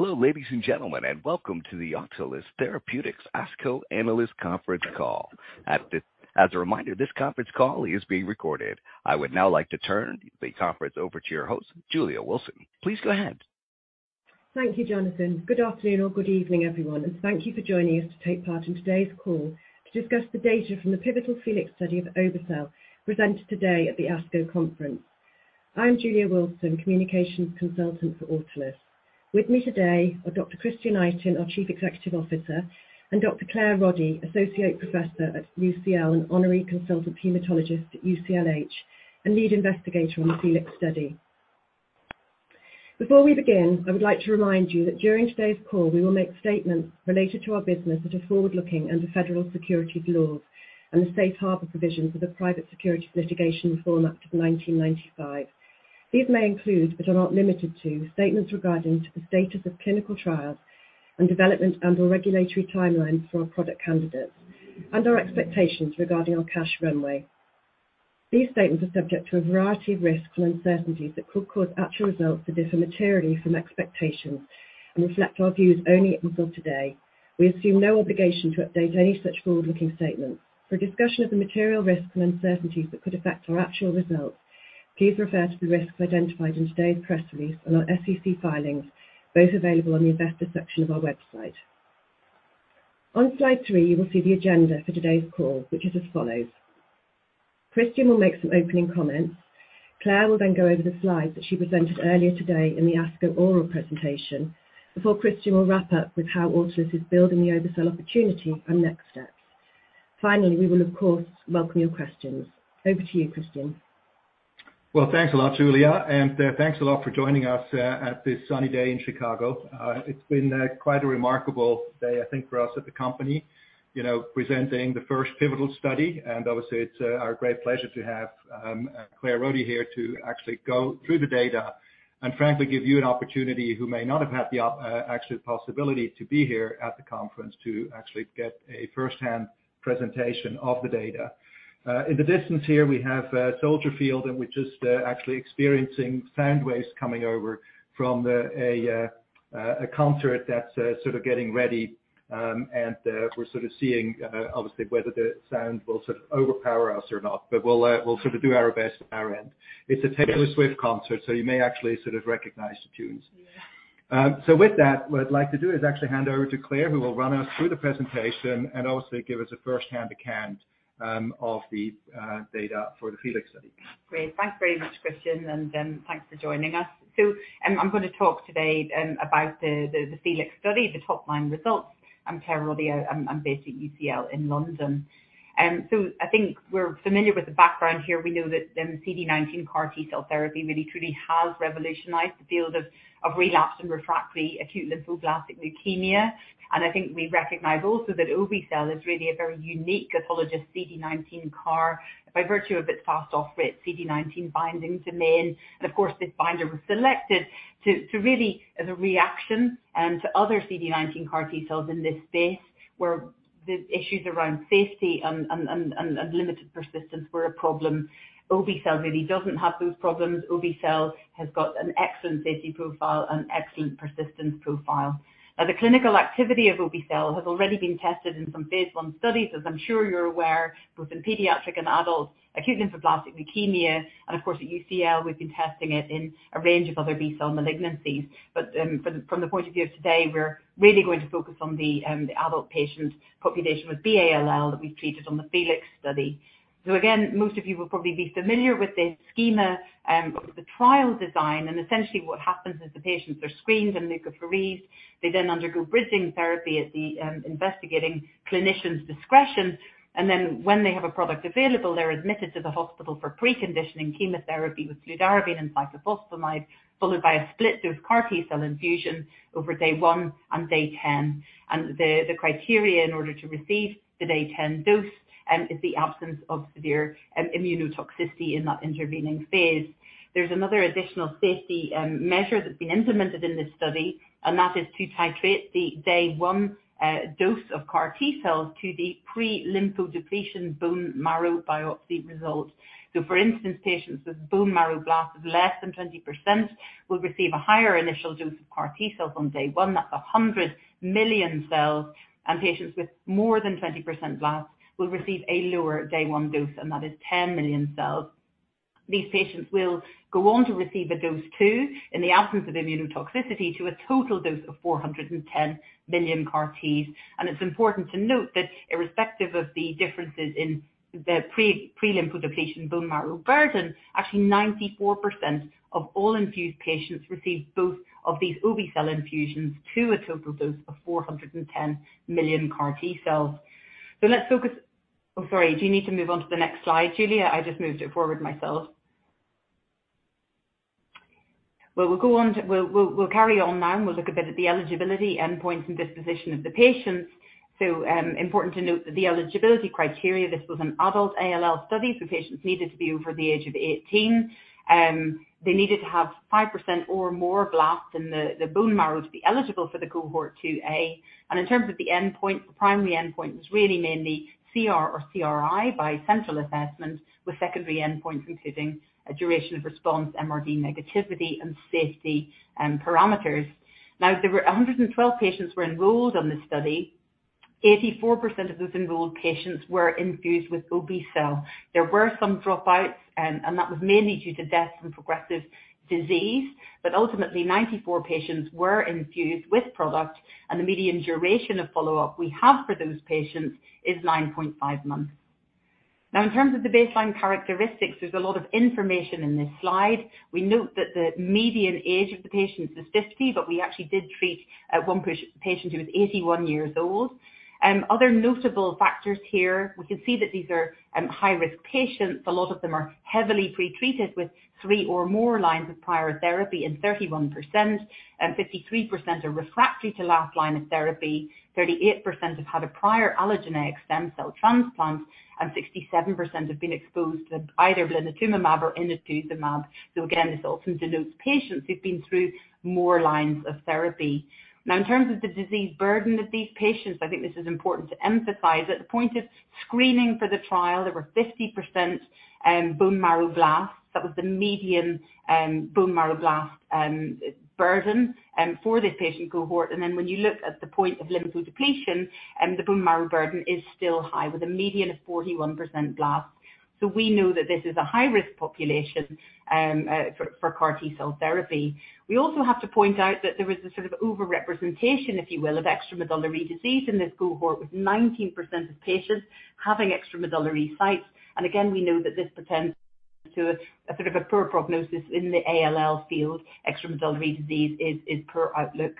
Hello, ladies and gentlemen. Welcome to the Autolus Therapeutics ASCO Analyst Conference Call. As a reminder, this conference call is being recorded. I would now like to turn the conference over to your host, Julia Wilson. Please go ahead. Thank you, Jonathan. Good afternoon or good evening, everyone, and thank you for joining us to take part in today's call to discuss the data from the pivotal FELIX study of obe-cel, presented today at the ASCO conference. I'm Julia Wilson, communications consultant for Autolus. With me today are Dr. Christian Itin, our Chief Executive Officer, and Dr. Claire Roddie, Associate Professor at UCL and Honorary Consultant Hematologist at UCLH, and lead investigator on the FELIX study. Before we begin, I would like to remind you that during today's call, we will make statements related to our business that are forward-looking under federal securities laws and the Safe Harbor provisions of the Private Securities Litigation Reform Act of 1995. These may include, but are not limited to, statements regarding to the status of clinical trials and development and/or regulatory timelines for our product candidates, and our expectations regarding our cash runway. These statements are subject to a variety of risks and uncertainties that could cause actual results to differ materially from expectations and reflect our views only until today. We assume no obligation to update any such forward-looking statements. For a discussion of the material risks and uncertainties that could affect our actual results, please refer to the risks identified in today's press release and our SEC filings, both available on the investor section of our website. On slide 3, you will see the agenda for today's call, which is as follows: Christian will make some opening comments. Claire will go over the slides that she presented earlier today in the ASCO oral presentation, before Christian will wrap up with how Autolus is building the obe-cel opportunity and next steps. We will, of course, welcome your questions. Over to you, Christian. Well, thanks a lot, Julia Wilson, and thanks a lot for joining us at this sunny day in Chicago. It's been quite a remarkable day, I think, for us at the company, you know, presenting the first pivotal study. Obviously it's our great pleasure to have Claire Roddie here to actually go through the data and frankly, give you an opportunity, who may not have had the possibility to be here at the conference, to actually get a first-hand presentation of the data. In the distance here, we have Soldier Field, and we're just actually experiencing sound waves coming over from a concert that's sort of getting ready. We're sort of seeing obviously whether the sound will sort of overpower us or not. We'll sort of do our best on our end. It's a Taylor Swift concert, you may actually sort of recognize the tunes. Yeah. With that, what I'd like to do is actually hand over to Claire, who will run us through the presentation and obviously give us a first-hand account, of the data for the FELIX study. Great. Thanks very much, Christian, and thanks for joining us. I'm gonna talk today about the FELIX study, the top-line results. I'm Claire Roddie. I'm based at UCL in London. I think we're familiar with the background here. We know that the CD19 CAR T-cell therapy really, truly has revolutionized the field of relapsed and refractory acute lymphoblastic leukemia. I think we recognize also that obe-cel is really a very unique autologous CD19 CAR by virtue of its fast off-rate CD19 binding domain. Of course, this binder was selected to really, as a reaction, to other CD19 CAR T-cells in this space, where the issues around safety and limited persistence were a problem. obe-cel really doesn't have those problems. obe-cel has got an excellent safety profile and excellent persistence profile. The clinical activity of obe-cel has already been tested in some phase I studies, as I'm sure you're aware, both in pediatric and adult acute lymphoblastic leukemia. Of course, at UCL, we've been testing it in a range of other B-cell malignancies. From the point of view of today, we're really going to focus on the adult patient population with B-ALL that we've treated on the FELIX study. Again, most of you will probably be familiar with this schema of the trial design. Essentially what happens is the patients are screened, and they go for REED. They undergo bridging therapy at the investigating clinician's discretion, and then when they have a product available, they're admitted to the hospital for preconditioning chemotherapy with fludarabine and cyclophosphamide, followed by a split dose CAR T-cell infusion over day 1 and day 10. The criteria in order to receive the day 10 dose is the absence of severe immunotoxicity in that intervening phase. There's another additional safety measure that's been implemented in this study, and that is to titrate the day 1 dose of CAR T-cells to the pre-lymphodepletion bone marrow biopsy result. For instance, patients with bone marrow blast of less than 20% will receive a higher initial dose of CAR T-cells on day 1. That's 100 million cells, patients with more than 20% blasts will receive a lower day 1 dose, and that is 10 million cells. These patients will go on to receive a dose 2, in the absence of immunotoxicity, to a total dose of 410 million CAR Ts. It's important to note that irrespective of the differences in the pre-lymphodepletion bone marrow burden, actually 94% of all infused patients received both of these obe-cel infusions to a total dose of 410 million CAR T-cells. let's focus. Oh, sorry, do you need to move on to the next slide, Julia? I just moved it forward myself. Well, we'll go on to carry on now, and we'll look a bit at the eligibility endpoints and disposition of the patients. Important to note that the eligibility criteria, this was an adult ALL study, patients needed to be over the age of 18. They needed to have 5% or more blast in the bone marrow to be eligible for the cohort 2A. In terms of the endpoint, the primary endpoint was really mainly CR or CRI by central assessment, with secondary endpoints including a duration of response, MRD negativity and safety parameters. There were 112 patients were enrolled on this study. 84% of those enrolled patients were infused with obe-cel. There were some dropouts, and that was mainly due to death and progressive disease. Ultimately, 94 patients were infused with product, and the median duration of follow-up we have for those patients is 9.5 months. In terms of the baseline characteristics, there's a lot of information in this slide. We note that the median age of the patients is 50, but we actually did treat one patient who was 81 years old. Other notable factors here, we can see that these are high-risk patients. A lot of them are heavily pretreated with 3 or more lines of prior therapy, and 31%, and 53% are refractory to last line of therapy, 38% have had a prior allogeneic stem cell transplant, and 67% have been exposed to either blinatumomab or inotuzumab. Again, this often denotes patients who've been through more lines of therapy. In terms of the disease burden of these patients, I think this is important to emphasize. At the point of screening for the trial, there were 50% bone marrow blasts. That was the median bone marrow blast burden for this patient cohort. When you look at the point of lymphodepletion, the bone marrow burden is still high, with a median of 41% blasts. We know that this is a high-risk population for CAR T-cell therapy. We also have to point out that there is a sort of overrepresentation, if you will, of extramedullary disease in this cohort, with 19% of patients having extramedullary sites. We know that this portends to a sort of a poor prognosis in the ALL field. Extramedullary disease is poor outlook.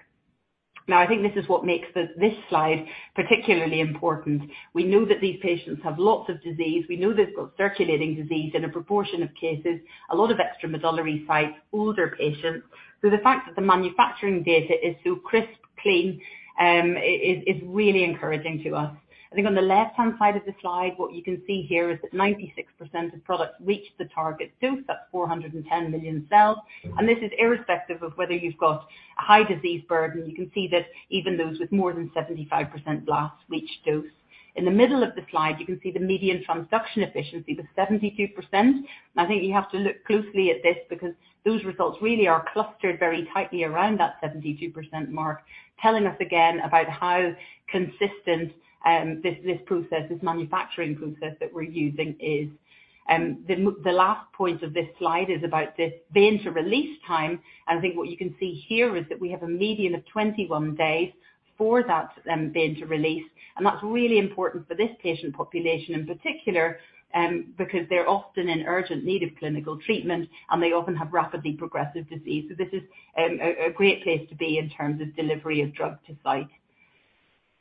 I think this makes this slide particularly important. We know that these patients have lots of disease. We know they've got circulating disease in a proportion of cases, a lot of extramedullary sites, older patients. The fact that the manufacturing data is so crisp, clean, is really encouraging to us. I think on the left-hand side of the slide, what you can see here is that 96% of products reached the target dose, that's 410 million cells, and this is irrespective of whether you've got a high disease burden. You can see that even those with more than 75% blasts reached dose. In the middle of the slide, you can see the median transduction efficiency was 72%. I think you have to look closely at this, because those results really are clustered very tightly around that 72% mark, telling us again about how consistent, this process, this manufacturing process that we're using is. The last point of this slide is about this vein-to-vein time, what you can see here is that we have a median of 21 days for that vein to release. That's really important for this patient population, in particular, because they're often in urgent need of clinical treatment, and they often have rapidly progressive disease. This is a great place to be in terms of delivery of drug to site.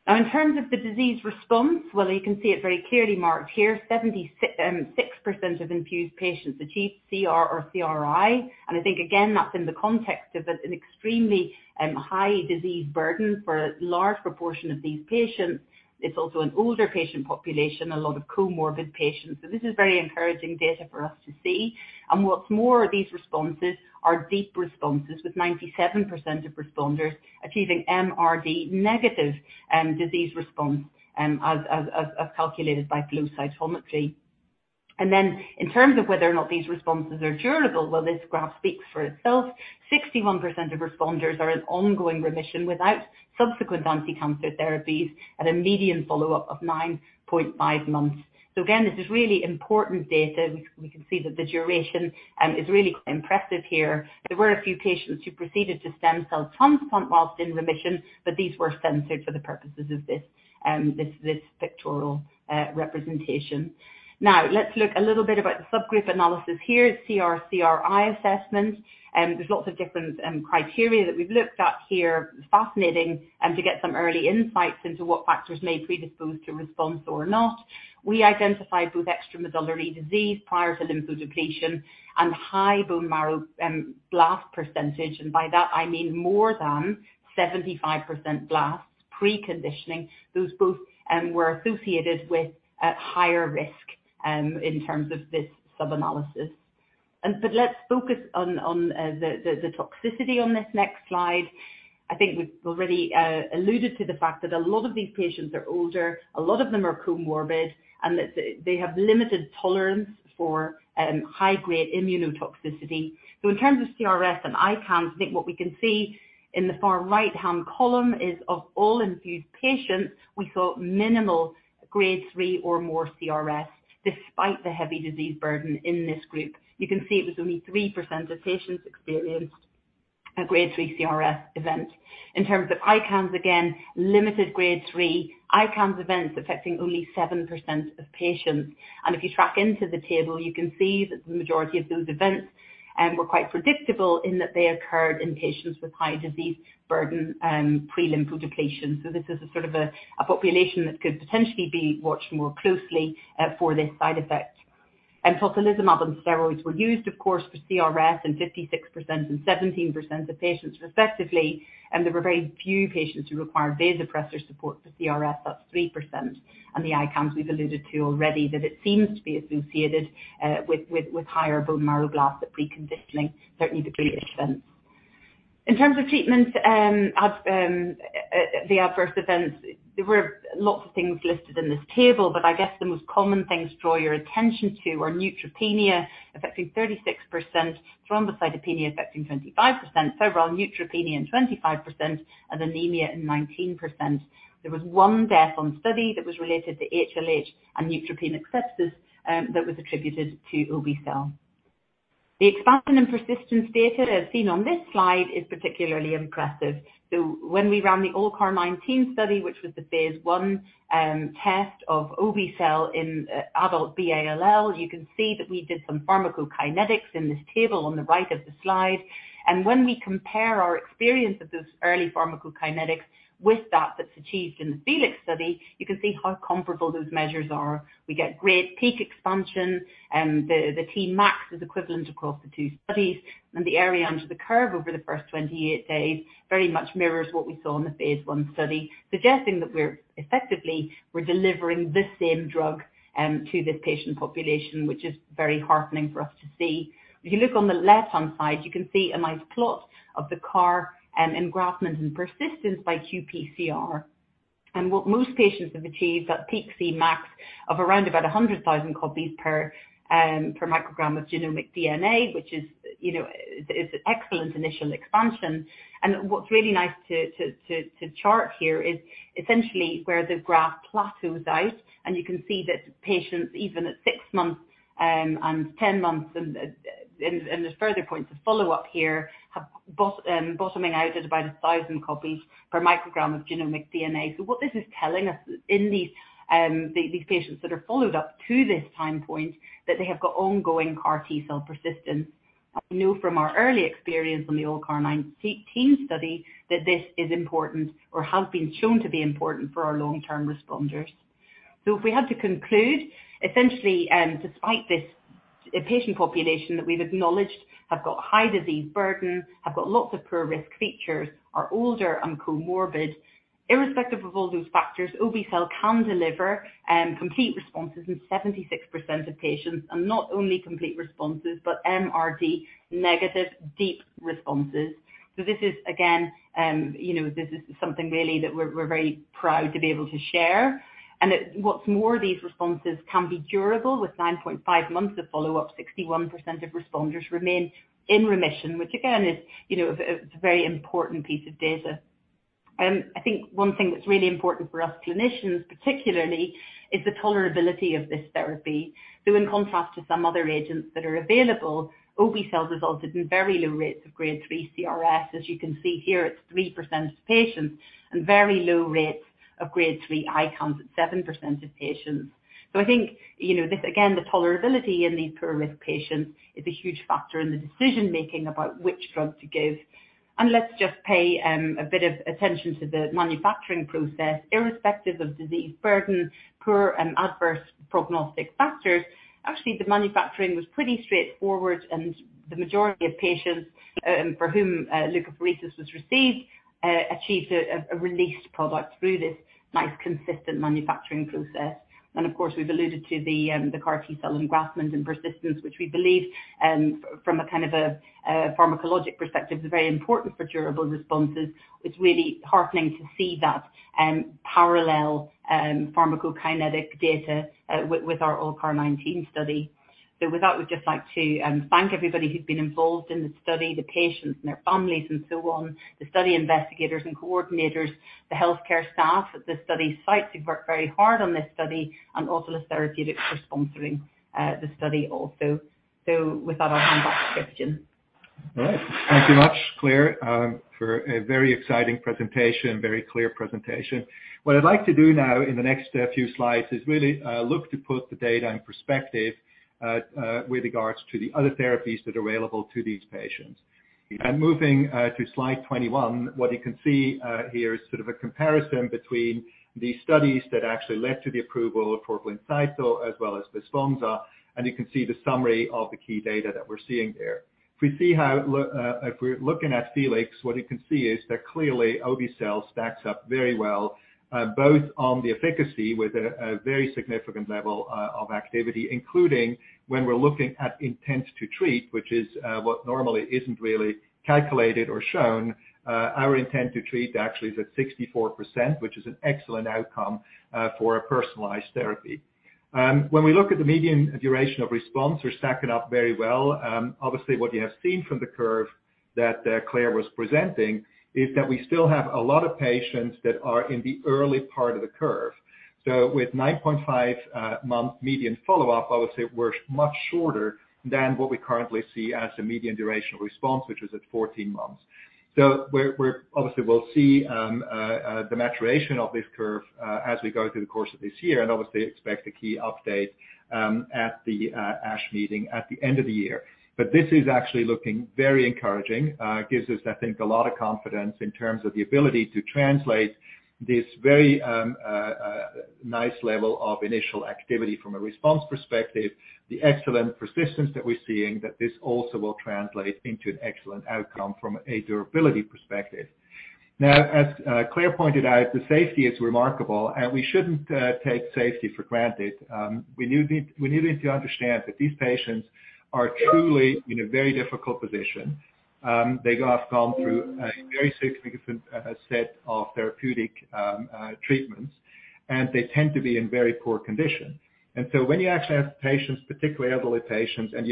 In terms of the disease response, you can see it very clearly marked here, 76% of infused patients achieved CR or CRI. That's in the context of an extremely high disease burden for a large proportion of these patients. It's also an older patient population, a lot of comorbid patients. This is very encouraging data for us to see. What's more, these responses are deep responses, with 97% of responders achieving MRD negative disease response, as calculated by flow cytometry. In terms of whether or not these responses are durable, Well, this graph speaks for itself. 61% of responders are in ongoing remission without subsequent anticancer therapies at a median follow-up of 9.5 months. Again, this is really important data. We can see that the duration is really impressive here. There were a few patients who proceeded to stem cell transplant whilst in remission, but these were censored for the purposes of this pictorial representation. Let's look a little bit about the subgroup analysis. Here is CR/CRI assessment, there's lots of different criteria that we've looked at here. Fascinating, to get some early insights into what factors may predispose to response or not. We identified both extramedullary disease prior to lymphodepletion and high bone marrow blast percentage, and by that I mean more than 75% blasts, preconditioning. Those both were associated with a higher risk in terms of this subanalysis. Let's focus on the toxicity on this next slide. I think we've already alluded to the fact that a lot of these patients are older, a lot of them are comorbid, and that they have limited tolerance for high-grade immunotoxicity. In terms of CRS and ICANS, I think what we can see in the far right-hand column is, of all infused patients, we saw minimal grade 3 or more CRS, despite the heavy disease burden in this group. You can see it was only 3% of patients experienced a grade-3 CRS event. In terms of ICANS, again, limited grade 3 ICANS events affecting only 7% of patients. If you track into the table, you can see that the majority of those events were quite predictable in that they occurred in patients with high disease burden pre-lymphodepletion. This is a sort of a population that could potentially be watched more closely for this side effect. Tocilizumab and steroids were used, of course, for CRS, in 56% and 17% of patients, respectively, and there were very few patients who required vasopressor support for CRS, that's 3%. The ICANS we've alluded to already, that it seems to be associated with higher bone marrow blast at preconditioning, certainly the greatest event. In terms of treatments, the adverse events, there were lots of things listed in this table, but I guess the most common things to draw your attention to are neutropenia, affecting 36%, thrombocytopenia affecting 25%, febrile neutropenia in 25%, and anemia in 19%. There was 1 death on study that was related to HLH and neutropenic sepsis, that was attributed to obe-cel. The expansion and persistence data, as seen on this slide, is particularly impressive. When we ran the ALLCAR19 study, which was the phase I test of obe-cel in adult B-ALL, you can see that we did some pharmacokinetics in this table on the right of the slide. When we compare our experience of those early pharmacokinetics with that's achieved in the FELIX study, you can see how comparable those measures are. We get great peak expansion, the Tmax is equivalent across the two studies, and the area under the curve over the first 28 days very much mirrors what we saw in the phase I study. Suggesting that effectively, we're delivering the same drug to this patient population, which is very heartening for us to see. You look on the left-hand side, you can see a nice plot of the CAR engraftment and persistence by qPCR. What most patients have achieved, that peak Cmax of around about 100,000 copies per microgram of genomic DNA, which is, you know, is an excellent initial expansion. What's really nice to chart here is essentially where the graph plateaus out, and you can see that patients, even at 6 months, and 10 months, and there's further points of follow-up here, have bottoming out at about 1,000 copies per microgram of genomic DNA. What this is telling us, in these patients that are followed up to this time point, that they have got ongoing CAR T-cell persistence. We know from our early experience on the ALLCAR19 study that this is important or has been shown to be important for our long-term responders. If we had to conclude, essentially, despite this, a patient population that we've acknowledged, have got high disease burden, have got lots of poor risk features, are older and comorbid. Irrespective of all those factors, obe-cel can deliver complete responses in 76% of patients, and not only complete responses, but MRD negative deep responses. This is again, you know, this is something really that we're very proud to be able to share. That what's more, these responses can be durable. With 9.5 months of follow-up, 61% of responders remain in remission, which again, is, you know, a very important piece of data. I think one thing that's really important for us clinicians, particularly, is the tolerability of this therapy. In contrast to some other agents that are available, obe-cel resulted in very low rates of grade 3 CRS. As you can see here, it's 3% of patients and very low rates of grade 3 ICANS at 7% of patients. I think, you know, this, again, the tolerability in these poor-risk patients is a huge factor in the decision-making about which drug to give. Let's just pay a bit of attention to the manufacturing process. Irrespective of disease burden, poor and adverse prognostic factors, actually, the manufacturing was pretty straightforward, and the majority of patients, for whom leukapheresis was received, achieved a released product through this nice, consistent manufacturing process. Of course, we've alluded to the CAR T-cell engraftment and persistence, which we believe from a kind of a pharmacologic perspective, is very important for durable responses. It's really heartening to see that parallel pharmacokinetic data with our ALLCAR19 study. With that, we'd just like to thank everybody who's been involved in the study, the patients and their families and so on, the study investigators and coordinators, the healthcare staff at the study site, who've worked very hard on this study, and also the therapeutics for sponsoring the study also. With that, I'll hand back to Christian. All right. Thank you much, Claire, for a very exciting presentation, very clear presentation. What I'd like to do now in the next few slides is really look to put the data in perspective with regards to the other therapies that are available to these patients. Moving to slide 21, what you can see here is sort of a comparison between the studies that actually led to the approval of tocilizumab, as well as Besponsa. You can see the summary of the key data that we're seeing there. If we see how if we're looking at FELIX, what you can see is that clearly, obe-cel stacks up very well, both on the efficacy with a very significant level of activity, including when we're looking at intent to treat, which is what normally isn't really calculated or shown. Our intent to treat actually is at 64%, which is an excellent outcome for a personalized therapy. When we look at the median duration of response, we're stacking up very well. Obviously, what you have seen from the curve that Claire was presenting is that we still have a lot of patients that are in the early part of the curve. With 9.5 month median follow-up, obviously we're much shorter than what we currently see as the median duration of response, which is at 14 months. We're obviously, we'll see the maturation of this curve as we go through the course of this year, and obviously expect a key update at the ASH meeting at the end of the year. This is actually looking very encouraging. Gives us, I think, a lot of confidence in terms of the ability to translate this very nice level of initial activity from a response perspective, the excellent persistence that we're seeing, that this also will translate into an excellent outcome from a durability perspective. As Claire pointed out, the safety is remarkable, and we shouldn't take safety for granted. We needing to understand that these patients are truly in a very difficult position. They have gone through a very significant set of therapeutic treatments, and they tend to be in very poor condition. When you actually have patients, particularly elderly patients, and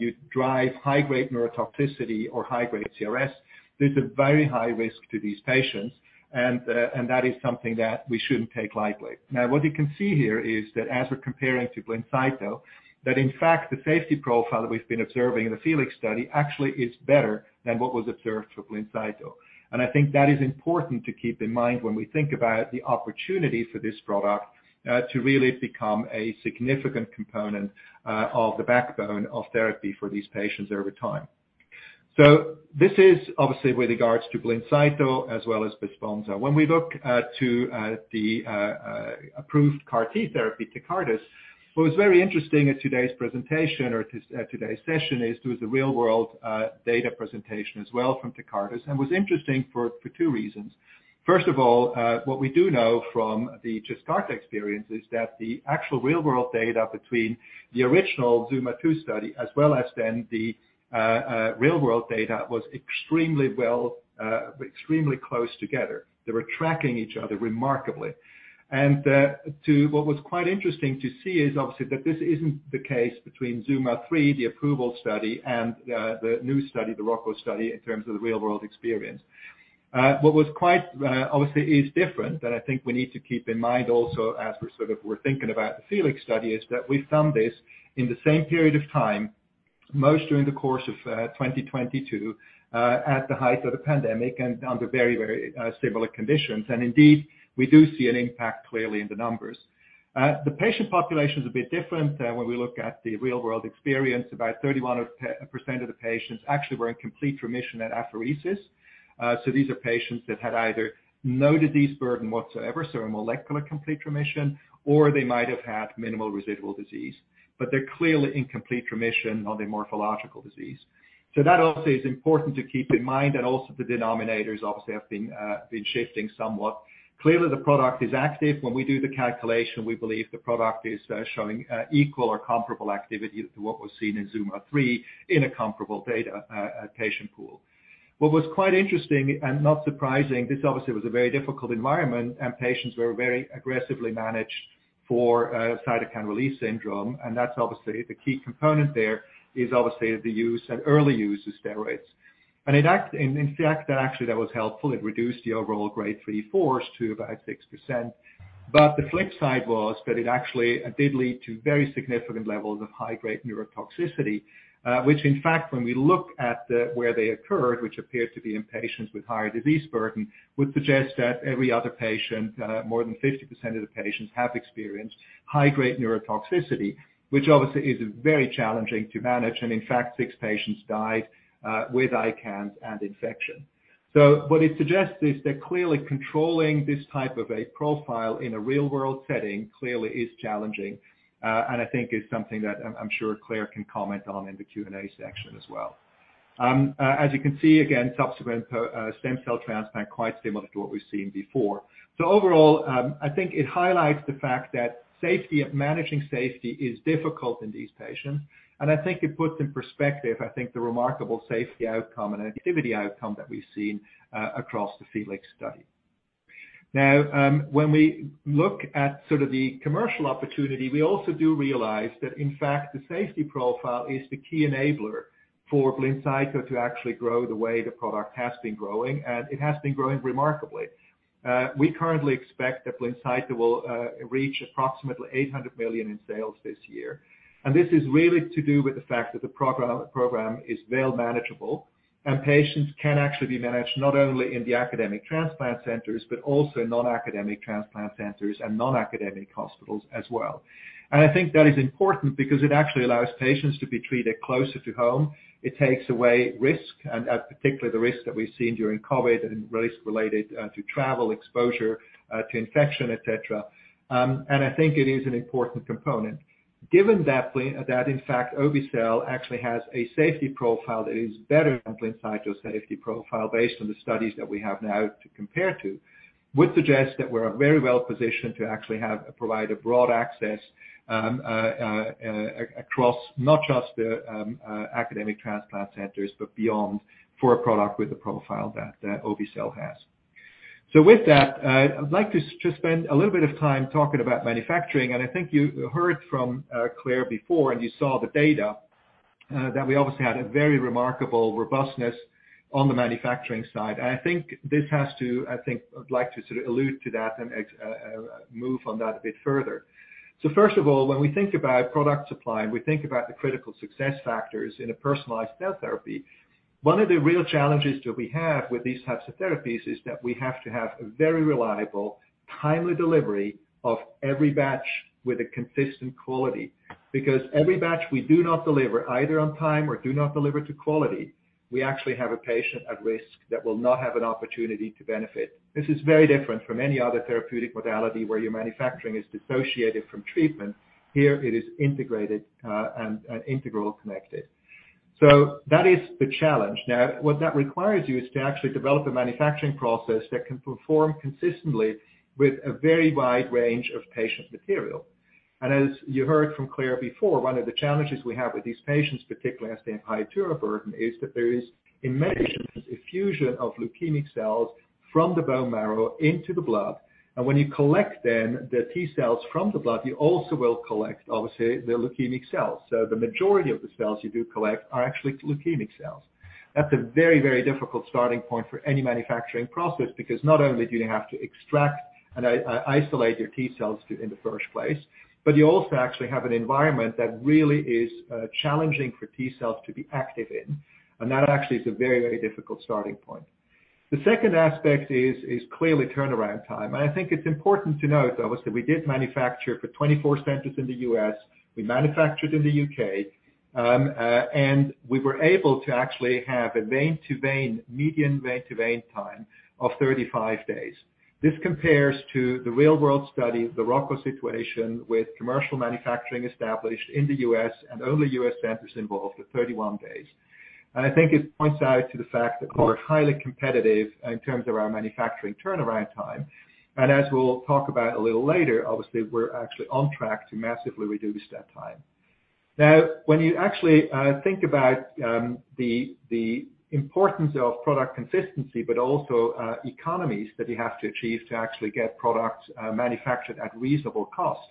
you drive high-grade neurotoxicityicity or high-grade CRS, there's a very high risk to these patients. That is something that we shouldn't take lightly. What you can see here is that as we're comparing to BLINCYTO, that in fact, the safety profile that we've been observing in the FELIX study actually is better than what was observed for BLINCYTO. I think that is important to keep in mind when we think about the opportunity for this product, to really become a significant component, of the backbone of therapy for these patients over time. This is obviously with regards to Blincyto as well as Besponsa. We look to the approved CAR T therapy, Tecartus, what was very interesting in today's presentation or today's session, is there was a real-world data presentation as well from Tecartus, and was interesting for two reasons. First of all, what we do know from the Yescarta experience is that the actual real-world data between the original ZUMA-2 study, as well as then the real-world data, was extremely well, extremely close together. They were tracking each other remarkably. To what was quite interesting to see is obviously that this isn't the case between ZUMA-3, the approval study, and the new study, the ROCCA study, in terms of the real-world experience. What was quite obviously is different, and I think we need to keep in mind also as we're thinking about the FELIX study, is that we've done this in the same period of time, most during the course of 2022, at the height of the pandemic and under very similar conditions. Indeed, we do see an impact clearly in the numbers. The patient population is a bit different when we look at the real-world experience. About 31% of the patients actually were in complete remission at apheresis. These are patients that had either no disease burden whatsoever, so a molecular complete remission, or they might have had minimal residual disease, but they're clearly in complete remission on the morphological disease. That also is important to keep in mind, and also the denominators obviously have been shifting somewhat. Clearly, the product is active. When we do the calculation, we believe the product is showing equal or comparable activity to what was seen in ZUMA-3 in a comparable data patient pool. What was quite interesting and not surprising, this obviously was a very difficult environment, and patients were very aggressively managed for cytokine release syndrome, and that's obviously the key component there, is obviously the use and early use of steroids. In fact, that actually that was helpful. It reduced the overall grade three/fours to about 6%. The flip side was that it actually did lead to very significant levels of high-grade neurotoxicityicity, which in fact, when we look at where they occurred, which appeared to be in patients with higher disease burden, would suggest that every other patient, more than 50% of the patients, have experienced high-grade neurotoxicityicity, which obviously is very challenging to manage. In fact, 6 patients died with ICANS and infection. What it suggests is that clearly controlling this type of a profile in a real-world setting clearly is challenging, and I think is something that I'm sure Claire can comment on in the Q&A section as well. As you can see, again, subsequent stem cell transplant, quite similar to what we've seen before. Overall, I think it highlights the fact that safety of managing safety is difficult in these patients, and I think it puts in perspective, I think, the remarkable safety outcome and activity outcome that we've seen across the FELIX study. When we look at sort of the commercial opportunity, we also do realize that in fact, the safety profile is the key enabler for BLINCYTO to actually grow the way the product has been growing, and it has been growing remarkably. We currently expect that BLINCYTO will reach approximately $800 million in sales this year. This is really to do with the fact that the program is well manageable, and patients can actually be managed not only in the academic transplant centers, but also in non-academic transplant centers and non-academic hospitals as well. I think that is important because it actually allows patients to be treated closer to home. It takes away risk, and particularly the risk that we've seen during COVID and risk related to travel, exposure to infection, et cetera. I think it is an important component. Given that in fact, obe-cel actually has a safety profile that is better than Blincyto safety profile based on the studies that we have now to compare to, would suggest that we're very well positioned to actually have, provide a broad access across not just the academic transplant centers, but beyond for a product with the profile that obe-cel has. With that, I'd like to spend a little bit of time talking about manufacturing, and I think you heard from Claire before, and you saw the data that we obviously had a very remarkable robustness on the manufacturing side. I think I'd like to sort of allude to that and move on that a bit further. First of all, when we think about product supply, and we think about the critical success factors in a personalized cell therapy, one of the real challenges that we have with these types of therapies is that we have to have a very reliable, timely delivery of every batch with a consistent quality. Every batch we do not deliver either on time or do not deliver to quality, we actually have a patient at risk that will not have an opportunity to benefit. This is very different from any other therapeutic modality where your manufacturing is dissociated from treatment. Here it is integrated and integral connected. That is the challenge. What that requires you is to actually develop a manufacturing process that can perform consistently with a very wide range of patient material. As you heard from Claire before, one of the challenges we have with these patients, particularly as they have high tumor burden, is that there is in many patients, effusion of leukemic cells from the bone marrow into the blood, and when you collect then the T-cells from the blood, you also will collect, obviously, the leukemic cells. The majority of the cells you do collect are actually leukemic cells. That's a very, very difficult starting point for any manufacturing process, because not only do you have to extract and isolate your T cells to in the first place, but you also actually have an environment that really is challenging for T cells to be active in, and that actually is a very, very difficult starting point. The second aspect is clearly turnaround time, and I think it's important to note, though, that we did manufacture for 24 centers in the U.S., we manufactured in the U.K., and we were able to actually have a vein-to-vein, median vein-to-vein time of 35 days. This compares to the real-world study, the ROCCA situation, with commercial manufacturing established in the U.S. and only U.S. centers involved for 31 days. I think it points out to the fact that we're highly competitive in terms of our manufacturing turnaround time. As we'll talk about a little later, obviously, we're actually on track to massively reduce that time. When you actually think about the importance of product consistency, but also economies that you have to achieve to actually get products manufactured at reasonable cost,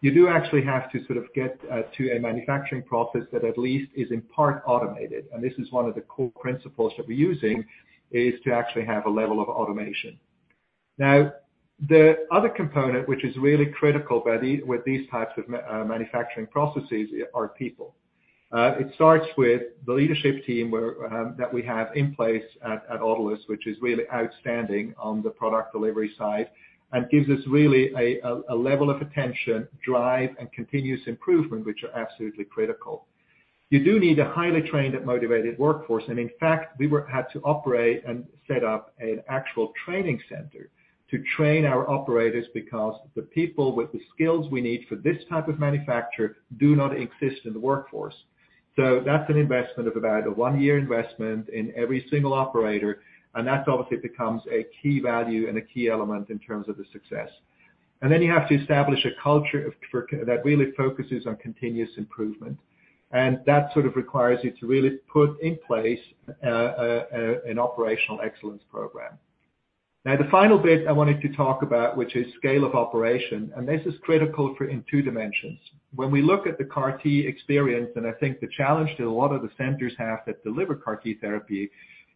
you do actually have to sort of get to a manufacturing process that at least is in part automated. This is one of the core principles that we're using, is to actually have a level of automation. The other component, which is really critical with these types of manufacturing processes, are people. It starts with the leadership team where that we have in place at Autolus, which is really outstanding on the product delivery side and gives us really a level of attention, drive, and continuous improvement, which are absolutely critical. You do need a highly trained and motivated workforce. In fact, we had to operate and set up an actual training center to train our operators because the people with the skills we need for this type of manufacture do not exist in the workforce. That's an investment of about a one-year investment in every single operator. That obviously becomes a key value and a key element in terms of the success. You have to establish a culture of that really focuses on continuous improvement, and that sort of requires you to really put in place an operational excellence program. The final bit I wanted to talk about, which is scale of operation, and this is critical for in two dimensions. When we look at the CAR-T experience, and I think the challenge that a lot of the centers have that deliver CAR-T therapy,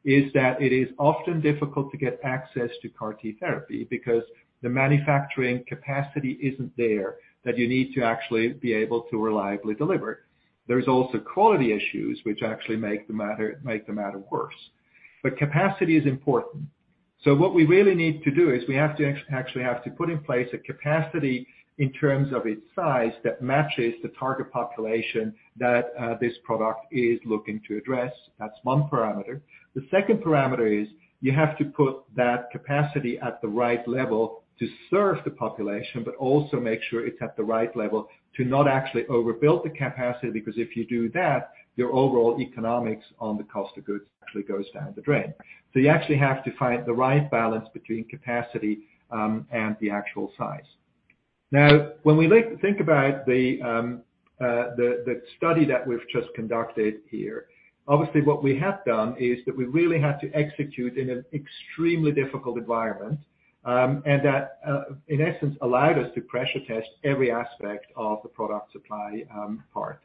is that it is often difficult to get access to CAR-T therapy because the manufacturing capacity isn't there, that you need to actually be able to reliably deliver. There's also quality issues which actually make the matter worse. Capacity is important. What we really need to do is we actually have to put in place a capacity in terms of its size, that matches the target population that this product is looking to address. That's one parameter. The second parameter is, you have to put that capacity at the right level to serve the population, but also make sure it's at the right level to not actually overbuild the capacity, because if you do that, your overall economics on the cost of goods actually goes down the drain. You actually have to find the right balance between capacity and the actual size. When we think about the study that we've just conducted here, obviously what we have done is that we really had to execute in an extremely difficult environment, and that in essence, allowed us to pressure test every aspect of the product supply part.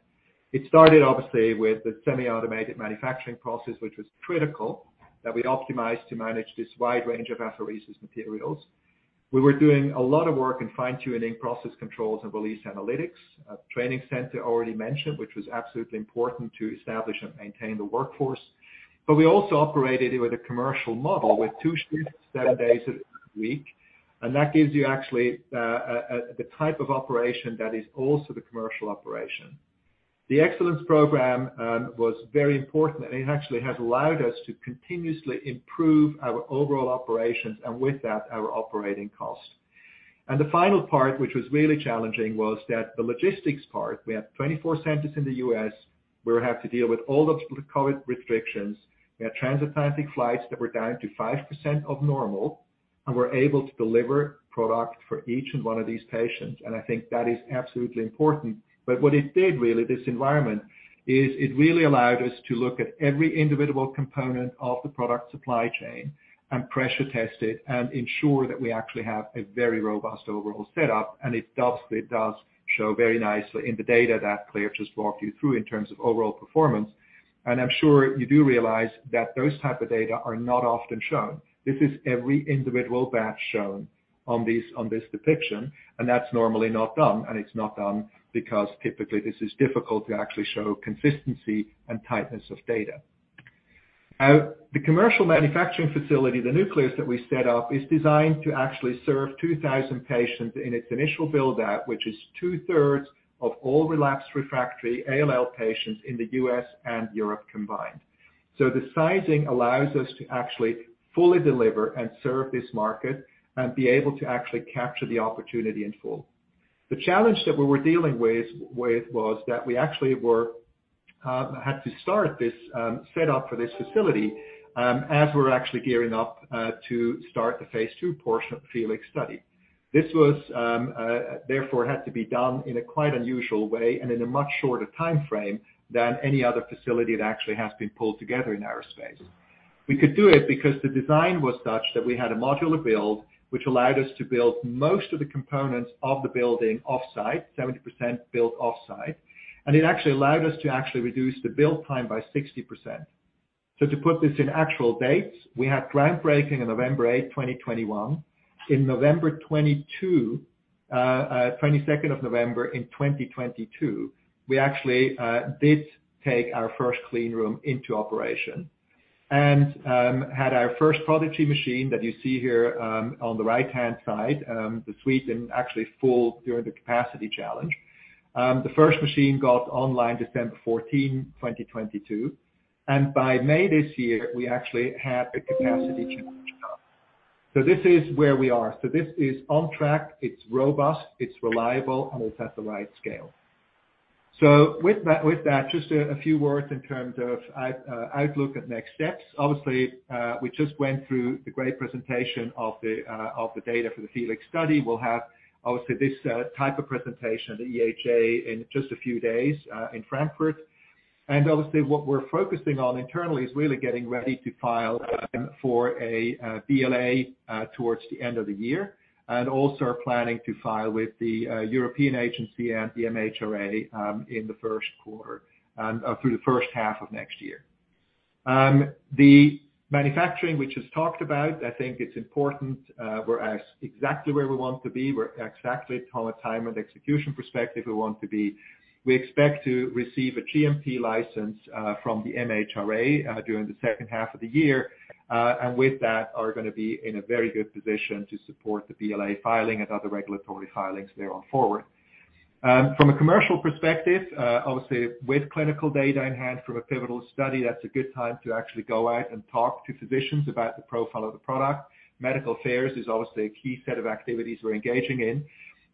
It started obviously, with the semi-automated manufacturing process, which was critical, that we optimized to manage this wide range of apheresis materials. We were doing a lot of work in fine-tuning process controls and release analytics, a training center already mentioned, which was absolutely important to establish and maintain the workforce. We also operated it with a commercial model with two shifts, seven days a week, and that gives you actually the type of operation that is also the commercial operation. The excellence program was very important, and it actually has allowed us to continuously improve our overall operations and with that, our operating cost. The final part, which was really challenging, was that the logistics part, we have 24 centers in the US, we would have to deal with all the COVID restrictions. We had transatlantic flights that were down to 5% of normal, and we're able to deliver product for each one of these patients, and I think that is absolutely important. What it did really, this environment, is it really allowed us to look at every individual component of the product supply chain and pressure test it and ensure that we actually have a very robust overall setup. It does show very nicely in the data that Claire just walked you through in terms of overall performance. I'm sure you do realize that those type of data are not often shown. This is every individual batch shown on this depiction, and that's normally not done because typically this is difficult to actually show consistency and tightness of data. The commercial manufacturing facility, the Nucleus that we set up, is designed to actually serve 2,000 patients in its initial build-out, which is two-thirds of all relapsed refractory ALL patients in the U.S. and Europe combined. The sizing allows us to actually fully deliver and serve this market and be able to actually capture the opportunity in full. The challenge that we were dealing with was that we actually had to start this set up for this facility as we're actually gearing up to start the phase II portion of the FELIX study. This was, therefore, had to be done in a quite unusual way and in a much shorter timeframe than any other facility that actually has been pulled together in our space. We could do it because the design was such that we had a modular build, which allowed us to build most of the components of the building offsite, 70% built offsite, and it actually allowed us to actually reduce the build time by 60%. To put this in actual dates, we had groundbreaking on November 8, 2021. In 22nd of November in 2022, we actually did take our first clean room into operation. Had our first Prodigy machine that you see here on the right-hand side, the suite and actually full during the capacity challenge. The first machine got online December 14, 2022. By May this year, we actually had the capacity to. This is where we are. This is on track, it's robust, it's reliable, and it's at the right scale. With that, just a few words in terms of outlook and next steps. Obviously, we just went through the great presentation of the data for the FELIX study. We'll have, obviously, this type of presentation at the EHA in just a few days in Frankfurt. Obviously, what we're focusing on internally is really getting ready to file for a BLA towards the end of the year, and also are planning to file with the European Agency and the MHRA in the first quarter through the first half of next year. The manufacturing, which is talked about, I think it's important, We're exactly from a time and execution perspective, we want to be. We expect to receive a GMP license from the MHRA during the second half of the year, and with that, are gonna be in a very good position to support the BLA filing and other regulatory filings there on forward. From a commercial perspective, obviously, with clinical data in hand from a pivotal study, that's a good time to actually go out and talk to physicians about the profile of the product. Medical affairs is obviously a key set of activities we're engaging in,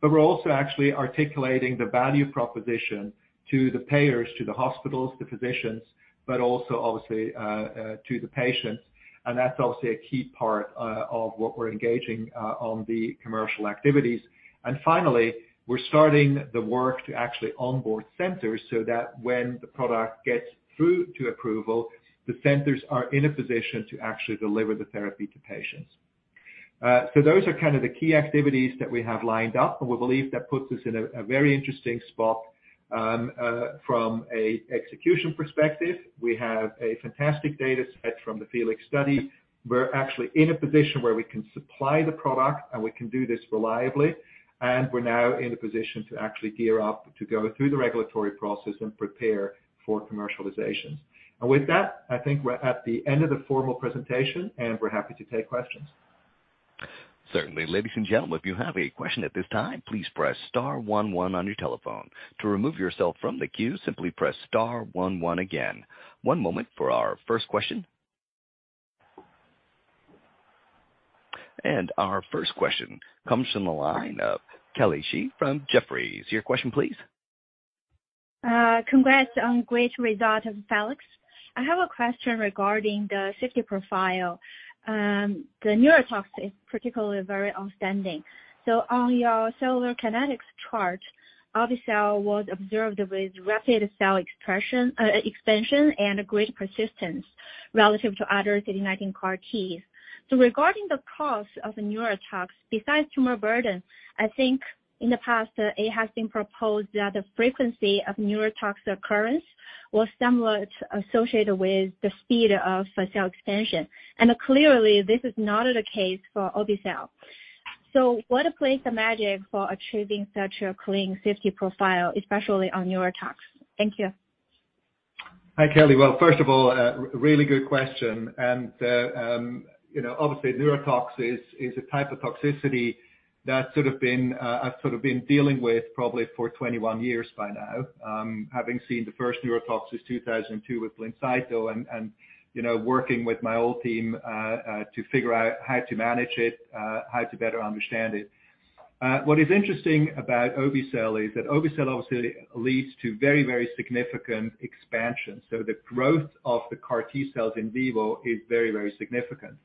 but we're also actually articulating the value proposition to the payers, to the hospitals, the physicians, but also obviously, to the patients, and that's obviously a key part of what we're engaging on the commercial activities. Finally, we're starting the work to actually onboard centers so that when the product gets through to approval, the centers are in a position to actually deliver the therapy to patients. Those are kind of the key activities that we have lined up, and we believe that puts us in a very interesting spot. From a execution perspective, we have a fantastic data set from the FELIX study. We're actually in a position where we can supply the product, and we can do this reliably, and we're now in a position to actually gear up to go through the regulatory process and prepare for commercialization. With that, I think we're at the end of the formal presentation, and we're happy to take questions. Certainly. Ladies and gentlemen, if you have a question at this time, please press star one one on your telephone. To remove yourself from the queue, simply press star one one again. One moment for our first question. Our first question comes from the line of Kelly Shi from Jefferies. Your question please. Congrats on great result of FELIX. I have a question regarding the safety profile. The neurotoxicityin is particularly very outstanding. On your cellular kinetics chart, obe-cel was observed with rapid cell expression, expansion and a great persistence relative to other CD19 CAR Ts. Regarding the cause of the neurotoxicity, besides tumor burden, I think in the past, it has been proposed that the frequency of neurotoxicity occurrence was somewhat associated with the speed of cell expansion. Clearly, this is not the case for obe-cel. What plays the magic for achieving such a clean safety profile, especially on neurotoxicity? Thank you. Hi, Kelly. Well, first of all, really good question. You know, obviously, neurotoxicity is a type of toxicity that's sort of been, I've sort of been dealing with probably for 21 years by now, having seen the first neurotoxicity in 2002 with Blincyto and, you know, working with my old team to figure out how to manage it, how to better understand it. What is interesting about obe-cel is that obe-cel obviously leads to very, very significant expansion. The growth of the CAR T-cells in vivo is very, very significant.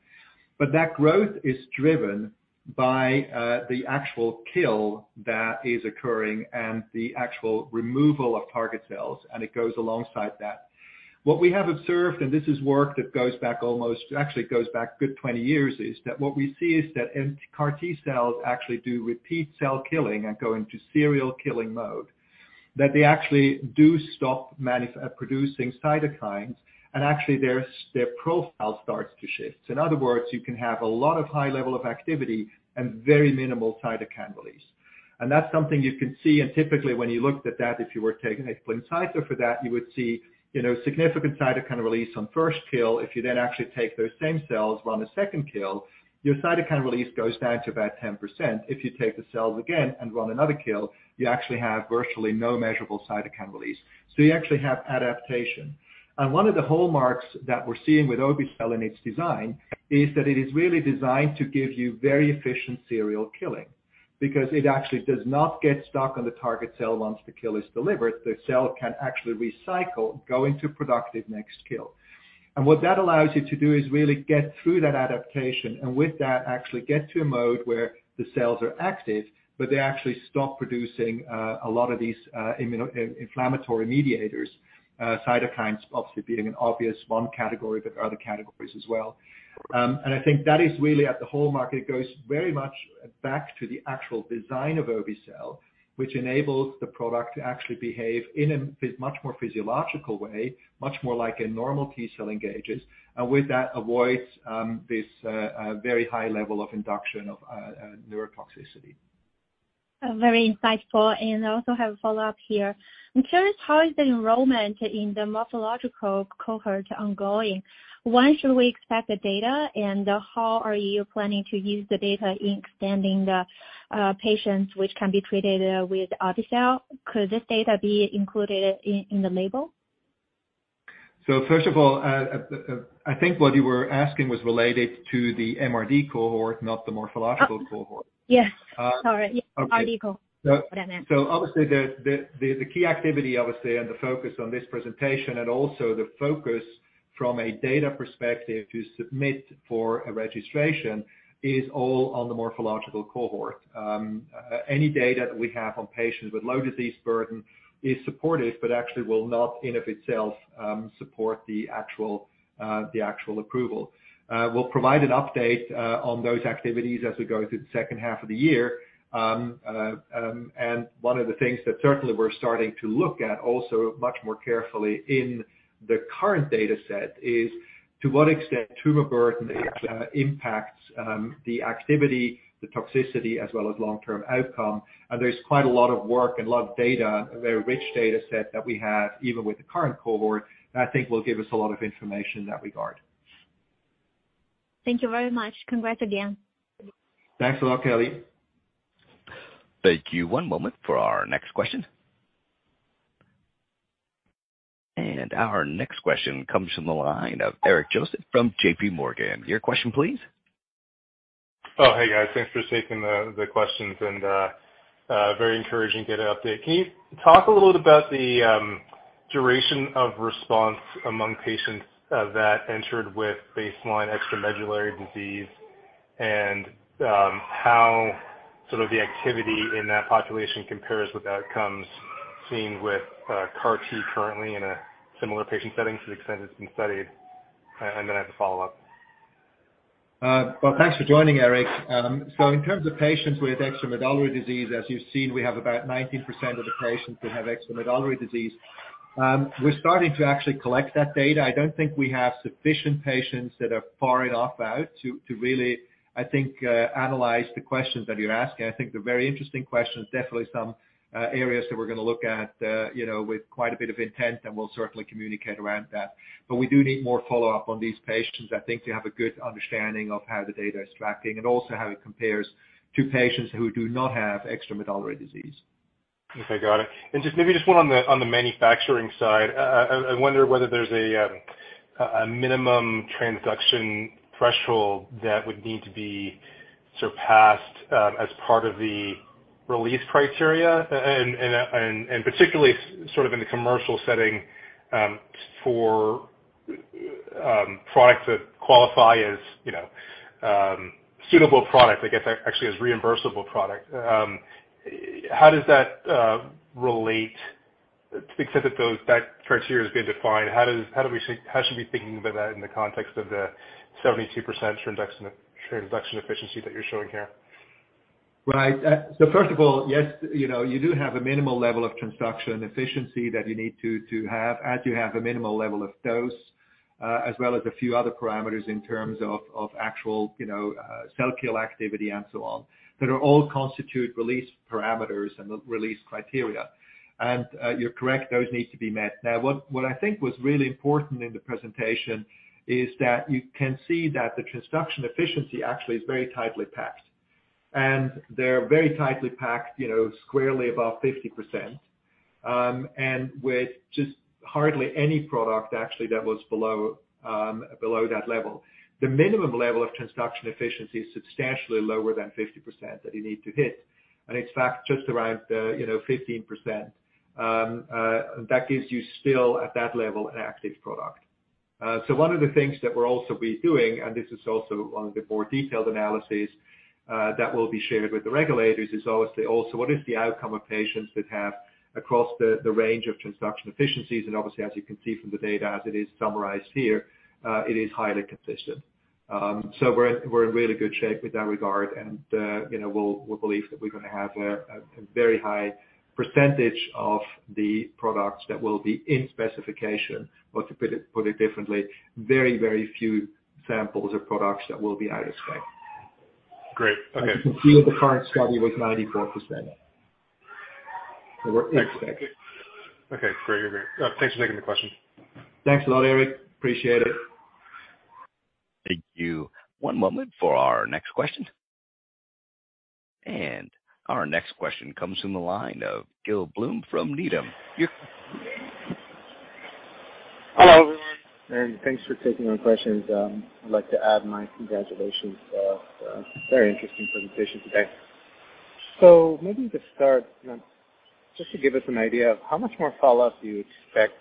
That growth is driven by the actual kill that is occurring and the actual removal of target cells, and it goes alongside that. What we have observed, this is work that goes back almost, actually goes back a good 20 years, is that what we see is that CAR T-cells actually do repeat cell killing and go into serial killing mode, that they actually do stop producing cytokines, and actually, their profile starts to shift. In other words, you can have a lot of high level of activity and very minimal cytokine release. That's something you can see, and typically, when you looked at that, if you were taking a BLINCYTO for that, you would see, you know, significant cytokine release on first kill. If you then actually take those same cells on the second kill, your cytokine release goes down to about 10%. If you take the cells again and run another kill, you actually have virtually no measurable cytokine release. You actually have adaptation. One of the hallmarks that we're seeing with obe-cel in its design is that it is really designed to give you very efficient serial killing. Because it actually does not get stuck on the target cell once the kill is delivered, the cell can actually recycle, going to productive next kill. What that allows you to do is really get through that adaptation, and with that, actually get to a mode where the cells are active, but they actually stop producing a lot of these immuno inflammatory mediators, cytokines, obviously being an obvious one category, but other categories as well. I think that is really at the whole market, goes very much back to the actual design of obe-cel, which enables the product to actually behave in a much more physiological way, much more like a normal T cell engages, and with that, avoids this very high level of induction of neurotoxicityicity. Very insightful. I also have a follow-up here. I'm curious, how is the enrollment in the morphological cohort ongoing? When should we expect the data, and how are you planning to use the data in extending the patients which can be treated with obe-cel? Could this data be included in the label? First of all, I think what you were asking was related to the MRD cohort, not the morphological cohort. Oh, yes. Uh. Sorry. Yes. Okay. RD cohort, what I meant. Obviously, the key activity, obviously, and the focus on this presentation, and also the focus from a data perspective to submit for a registration, is all on the morphological cohort. Any data that we have on patients with low disease burden is supportive, but actually will not in of itself, support the actual approval. We'll provide an update on those activities as we go through the second half of the year. One of the things that certainly we're starting to look at also much more carefully in the current data set is, to what extent tumor burden actually impacts, the activity, the toxicity, as well as long-term outcome. There's quite a lot of work and a lot of data, a very rich data set that we have, even with the current cohort, that I think will give us a lot of information in that regard. Thank you very much. Congrats again. Thanks a lot, Kelly. Thank you. One moment for our next question. Our next question comes from the line of Eric Joseph from JPMorgan. Your question, please? Oh, hey, guys. Thanks for taking the questions, and very encouraging to get an update. Can you talk a little bit about the duration of response among patients that entered with baseline extramedullary disease, and how sort of the activity in that population compares with outcomes seen with CAR T currently in a similar patient setting to the extent it's been studied? I have a follow-up. Well, thanks for joining, Eric. In terms of patients with extramedullary disease, as you've seen, we have about 19% of the patients that have extramedullary disease. We're starting to actually collect that data. I don't think we have sufficient patients that are far enough out to really, I think, analyze the questions that you're asking. I think they're very interesting questions, definitely some areas that we're gonna look at, you know, with quite a bit of intent, and we'll certainly communicate around that. We do need more follow-up on these patients, I think, to have a good understanding of how the data is tracking and also how it compares to patients who do not have extramedullary disease. Okay, got it. Just maybe just one on the manufacturing side. I wonder whether there's a minimum transduction threshold that would need to be surpassed as part of the release criteria. Particularly sort of in the commercial setting for products that qualify as, you know, suitable product, I guess, actually as reimbursable product. How does that relate? If those, that criteria has been defined, how should we be thinking about that in the context of the 72% transduction efficiency that you're showing here? Right. So first of all, yes, you know, you do have a minimal level of transduction efficiency that you need to have, as you have a minimal level of dose, as well as a few other parameters in terms of actual, you know, cell kill activity and so on, that are all constitute release parameters and release criteria. You're correct, those need to be met. Now, what I think was really important in the presentation is that you can see that the transduction efficiency actually is very tightly packed, and they're very tightly packed, you know, squarely above 50%, and with just hardly any product actually that was below that level. The minimum level of transduction efficiency is substantially lower than 50% that you need to hit, and in fact, just around, you know, 15%. That gives you still, at that level, an active product. One of the things that we're also doing, and this is also one of the more detailed analyses that will be shared with the regulators, is obviously also what is the outcome of patients that have across the range of transduction efficiencies? Obviously, as you can see from the data as it is summarized here, it is highly consistent. We're, we're in really good shape with that regard, and you know, we'll, we believe that we're gonna have a very high percentage of the products that will be in specification, or to put it differently, very, very few samples or products that will be out of spec. Great. Okay. You can see the current study was 94%. We're in spec. Okay, great. You're good. Thanks for taking the question. Thanks a lot, Eric. Appreciate it. Thank you. One moment for our next question. Our next question comes from the line of Gil Blum from Needham. Hello everyone, thanks for taking my questions. I'd like to add my congratulations. Very interesting presentation today. Maybe to start, just to give us an idea of how much more follow-up do you expect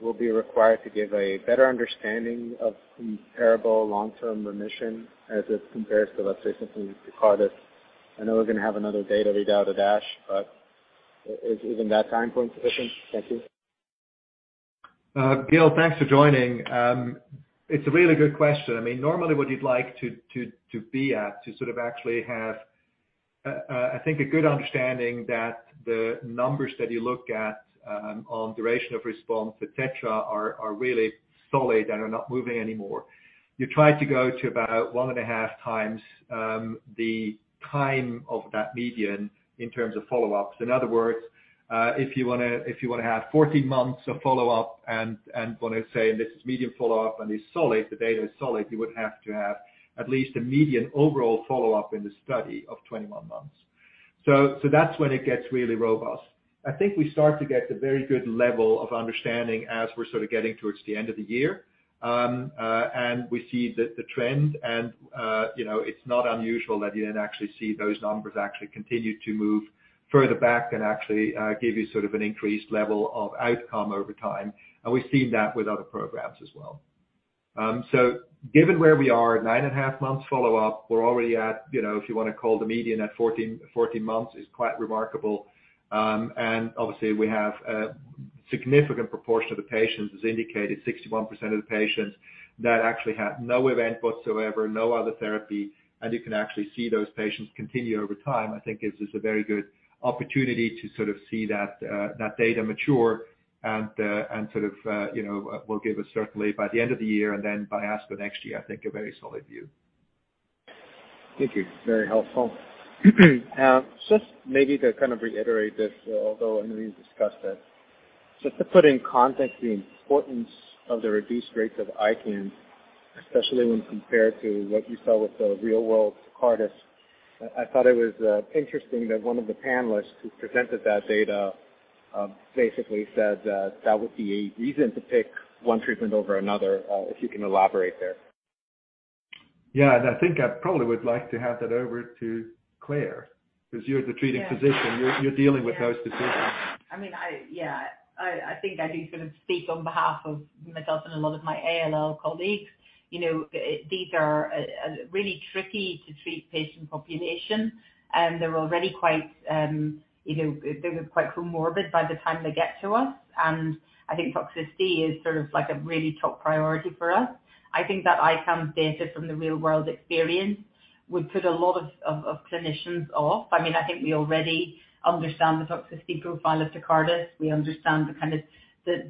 will be required to give a better understanding of comparable long-term remission as it compares to, let's say, something Tecartus? I know we're going to have another data readout at ASH, is that time point sufficient? Thank you. Gil, thanks for joining. It's a really good question. I mean, normally, what you'd like to be at, to sort of actually have, I think, a good understanding that the numbers that you look at on duration of response, et cetera, are really solid and are not moving anymore. You try to go to about 1.5 times the time of that median in terms of follow-ups. In other words, if you want to have 14 months of follow-up and when I say, and this is median follow-up, and it's solid, the data is solid, you would have to have at least a median overall follow-up in the study of 21 months. That's when it gets really robust. I think we start to get a very good level of understanding as we're sort of getting towards the end of the year. We see the trend and, you know, it's not unusual that you then actually see those numbers actually continue to move further back and actually give you sort of an increased level of outcome over time. We've seen that with other programs as well. Given where we are, 9.5 months follow-up, we're already at, you know, if you want to call the median at 14 months is quite remarkable. Obviously we have a significant proportion of the patients, as indicated, 61% of the patients that actually had no event whatsoever, no other therapy, and you can actually see those patients continue over time. I think this is a very good opportunity to sort of see that data mature and sort of, you know, will give us certainly by the end of the year and then by ASH next year, I think, a very solid view. Thank you. Very helpful. just maybe to kind of reiterate this, although I know you've discussed this, just to put in context the importance of the reduced rates of ICANS, especially when compared to what you saw with the real world Tecartus. I thought it was interesting that one of the panelists who presented that data, basically said that that would be a reason to pick one treatment over another, if you can elaborate there. Yeah, I think I probably would like to hand that over to Claire Roddie, because you're the treating physician. Yeah. you're dealing with those decisions. I mean, I think I do sort of speak on behalf of myself and a lot of my ALL colleagues. You know, these are really tricky to treat patient population, and they're already quite, you know, they're quite comorbid by the time they get to us, and I think toxicity is sort of like a really top priority for us. I think that ICAM data from the real-world experience would put a lot of clinicians off. I mean, I think we already understand the toxicity profile of Tecartus. We understand the kind of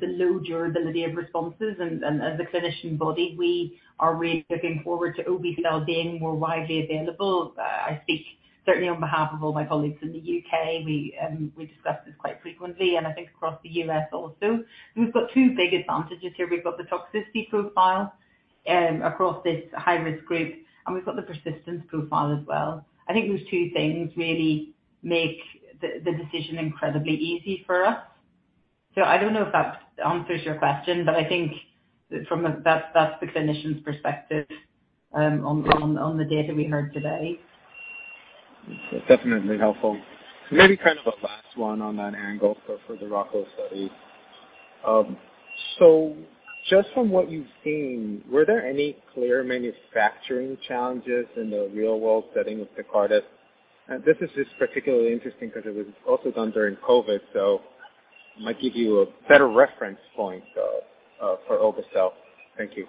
low durability of responses, and as a clinician body, we are really looking forward to obe-cel being more widely available. I speak certainly on behalf of all my colleagues in the U.K. We discuss this quite frequently, and I think across the U.S. also. We've got two big advantages here. We've got the toxicity profile across this high-risk group, and we've got the persistence profile as well. I think those two things really make the decision incredibly easy for us. I don't know if that answers your question, but I think that's the clinician's perspective on the data we heard today. Definitely helpful. Maybe kind of a last one on that angle for the ROCCA study. Just from what you've seen, were there any clear manufacturing challenges in the real-world setting of Tecartus? This is just particularly interesting because it was also done during COVID, so it might give you a better reference point for obe-cel. Thank you.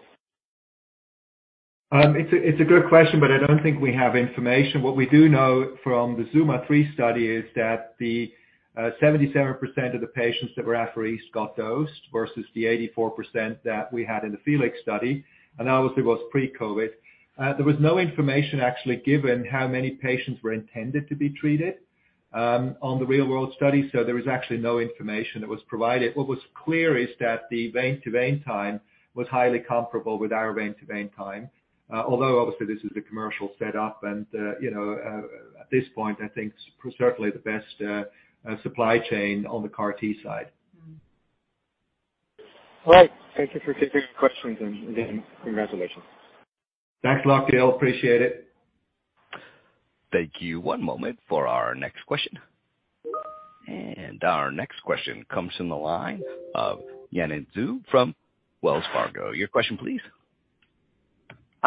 It's a good question. I don't think we have information. What we do know from the ZUMA-3 study is that the 77% of the patients that were at-risk got dosed versus the 84% that we had in the FELIX study, that obviously was pre-COVID. There was no information actually given how many patients were intended to be treated on the real-world study. There was actually no information that was provided. What was clear is that the vein-to-vein time was highly comparable with our vein-to-vein time, although obviously this is a commercial setup. You know, at this point, I think certainly the best supply chain on the CAR T side. All right. Thank you for taking the questions, and again, congratulations. Thanks a lot, Gil. Appreciate it. Thank you. One moment for our next question. Our next question comes from the line of Yanan Zhu from Wells Fargo. Your question please.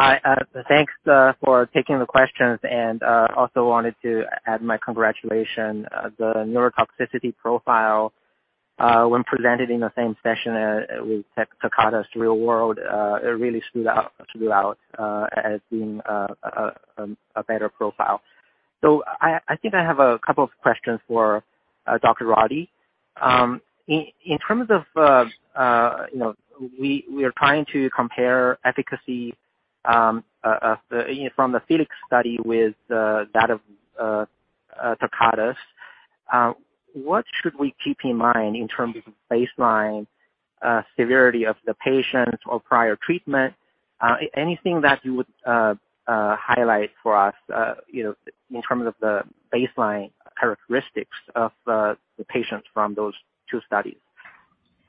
Hi, thanks for taking the questions and also wanted to add my congratulations. The neurotoxicityicity profile, when presented in the same session with Tecartus real world, it really stood out as being a better profile. I think I have a couple of questions for Dr. Roddie. Um. In terms of, you know, we are trying to compare efficacy from the FELIX study with that of Tecartus. What should we keep in mind in terms of baseline severity of the patients or prior treatment? Anything that you would highlight for us, you know, in terms of the baseline characteristics of the patients from those two studies?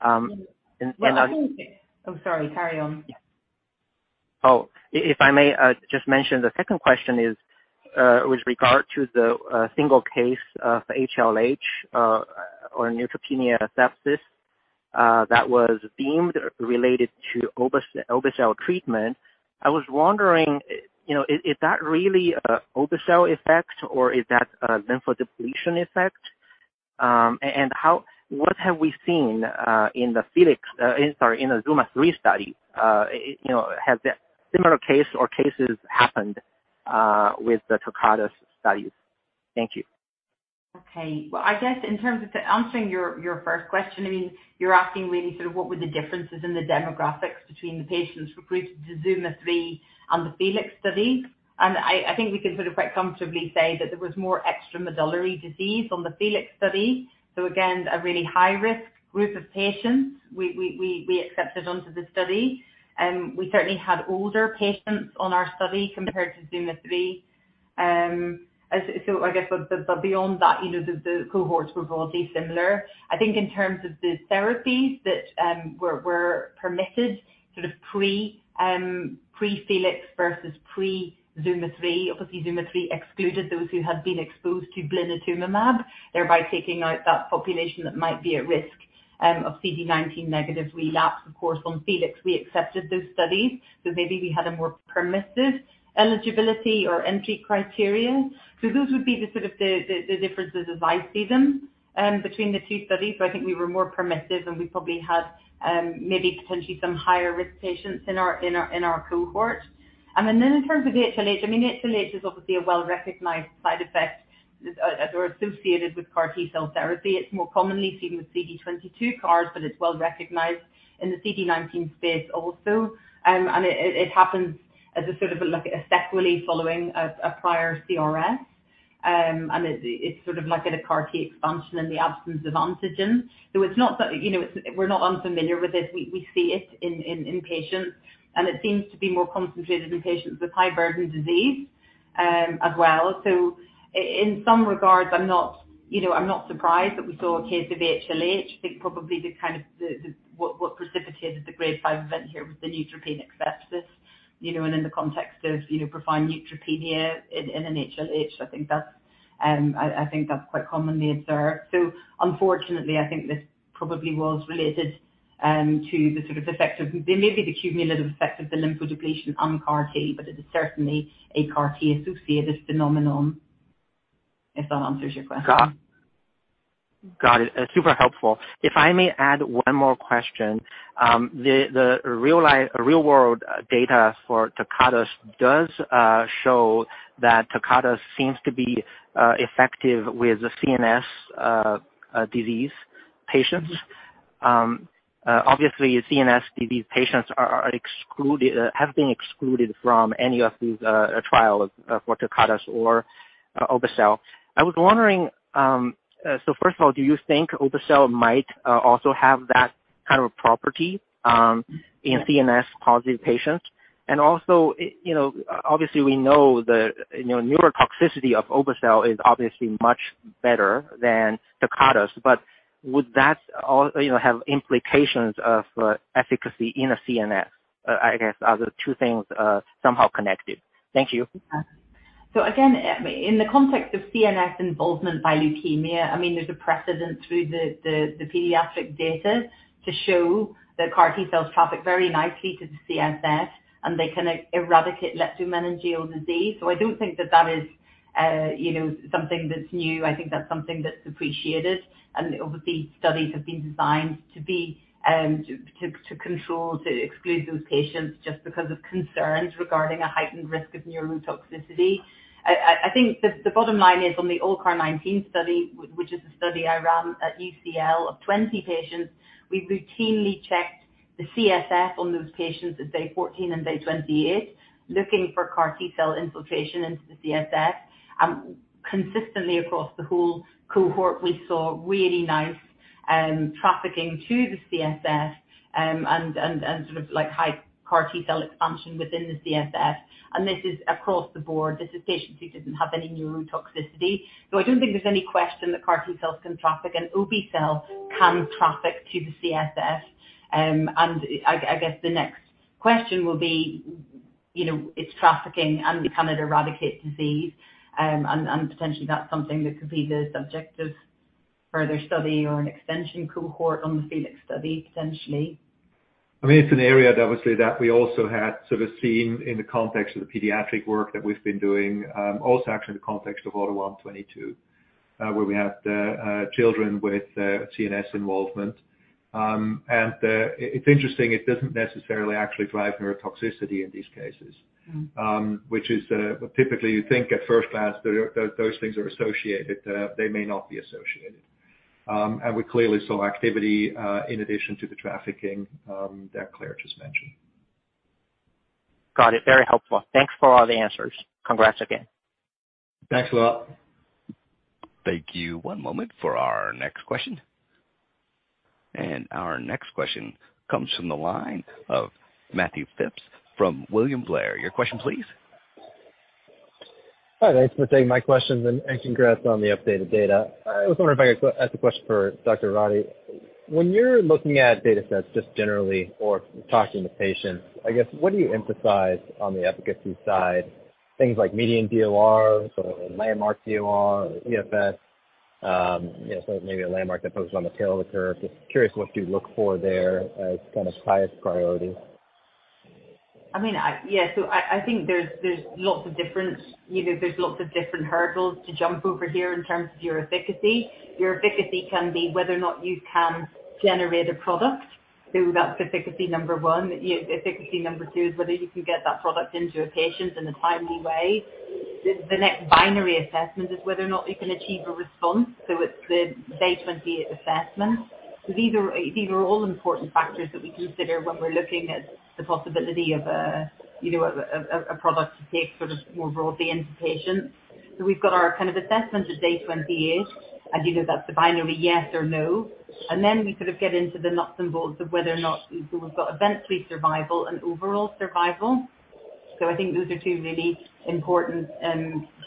Well, I think. I'm sorry, carry on. If I may, just mention the second question is with regard to the single case of HLH or neutropenic sepsis that was deemed related to obe-cel treatment. I was wondering, you know, is that really an obe-cel effect, or is that a lymphodepletion effect? How what have we seen in the FELIX, sorry, in the ZUMA-3 study? Has a similar case or cases happened with the tisagenlecleucel studies? Thank you. Well, I guess in terms of answering your first question, I mean, you're asking really sort of what were the differences in the demographics between the patients recruited to ZUMA-3 and the FELIX study. I think we can sort of quite comfortably say that there was more extramedullary disease on the FELIX study. Again, a really high-risk group of patients, we accepted onto the study. We certainly had older patients on our study compared to ZUMA-3. I guess, but beyond that, you know, the cohorts were broadly similar. I think in terms of the therapies that were permitted, sort of pre-FELIX versus pre-ZUMA-3, obviously ZUMA-3 excluded those who had been exposed to blinatumomab, thereby taking out that population that might be at risk of CD19 negative relapse. On FELIX, we accepted those studies, maybe we had a more permissive eligibility or entry criteria. Those would be the sort of the differences as I see them between the two studies. I think we were more permissive, and we probably had maybe potentially some higher risk patients in our cohort. In terms of the HLH, I mean, HLH is obviously a well-recognized side effect as or associated with CAR T-cell therapy. It's more commonly seen with CD22 CARs, it's well recognized in the CD19 space also. It happens as a sort of like a sequely following a prior CRS. It's sort of like at a CAR T expansion in the absence of antigen. It's not that... You know, it's, we're not unfamiliar with this. We see it in patients, and it seems to be more concentrated in patients with high burden disease, as well. In some regards, I'm not, you know, I'm not surprised that we saw a case of HLH. I think probably the kind of what precipitated the grade five event here was the neutropenic sepsis. You know, in the context of, you know, profound neutropenia in an HLH, I think that's, I think that's quite commonly observed. Unfortunately, I think this probably was related to the sort of effect of maybe the cumulative effect of the lymphodepletion on CAR T, but it is certainly a CAR T-associated phenomenon, if that answers your question. Got it. Super helpful. If I may add one more question. The real life, real world data for tisagenlecleucel does show that tisagenlecleucel seems to be effective with the CNS disease patients. Obviously, CNS disease patients are excluded, have been excluded from any of these trials for tisagenlecleucel or obe-cel. I was wondering, first of all, do you think obe-cel might also have that kind of property in CNS-positive patients? Also, you know, obviously, we know the, you know, neurotoxicityicity of obe-cel is obviously much better than tisagenlecleucel, but would that you know, have implications of efficacy in a CNS? I guess, are the two things somehow connected? Thank you. Again, in the context of CNS involvement by leukemia, I mean, there's a precedent through the pediatric data to show that CAR T-cells traffic very nicely to the CSF, and they can eradicate leptomeningeal disease. I don't think that that is, you know, something that's new. I think that's something that's appreciated. Obviously, studies have been designed to be, to control, to exclude those patients just because of concerns regarding a heightened risk of neurotoxicityicity. I think the bottom line is on the ALLCAR19 study, which is a study I ran at UCL of 20 patients, we routinely checked the CSF on those patients at day 14 and day 28, looking for CAR T-cell infiltration into the CSF. Consistently across the whole cohort, we saw really nice trafficking to the CSF, and sort of like high CAR T cell expansion within the CSF. This is across the board. This is patients who didn't have any neurotoxicityicity. I don't think there's any question CAR T-cells can traffic, and obe-cel can traffic to the CSF. I guess the next question will be, you know, it's trafficking and can it eradicate disease? And potentially that's something that could be the subject of further study or an extension cohort on the FELIX study, potentially. I mean, it's an area obviously, that we also had sort of seen in the context of the pediatric work that we've been doing, also actually in the context of AUTO1/22, where we had children with CNS involvement. It's interesting, it doesn't necessarily actually drive neurotoxicityicity in these cases. Mm-hmm. Which is, typically, you think at first glance, those things are associated. They may not be associated. We clearly saw activity, in addition to the trafficking, that Claire just mentioned. Got it. Very helpful. Thanks for all the answers. Congrats again. Thanks a lot. Thank you. One moment for our next question. Our next question comes from the line of Matthew Phipps from William Blair. Your question please? Hi, thanks for taking my questions, and congrats on the updated data. I was wondering if I could ask a question for Dr. Roddie. When you're looking at data sets, just generally or talking to patients, I guess, what do you emphasize on the efficacy side? Things like median DORs or landmark DOR or PFS, you know, so maybe a landmark that focuses on the tail of the curve. Just curious what you look for there as kind of highest priority. I mean, yeah, I think there's lots of different, you know, there's lots of different hurdles to jump over here in terms of your efficacy. Your efficacy can be whether or not you can generate a product. That's efficacy number one. Efficacy number two is whether you can get that product into your patients in a timely way. The next binary assessment is whether or not you can achieve a response, so it's the day 28 assessment. These are all important factors that we consider when we're looking at the possibility of a, you know, a product to take sort of more broadly into patients. We've got our kind of assessment at day 28, and, you know, that's the binary yes or no. Then we sort of get into the nuts and bolts of whether or not we've got event-free survival and overall survival. I think those are two really important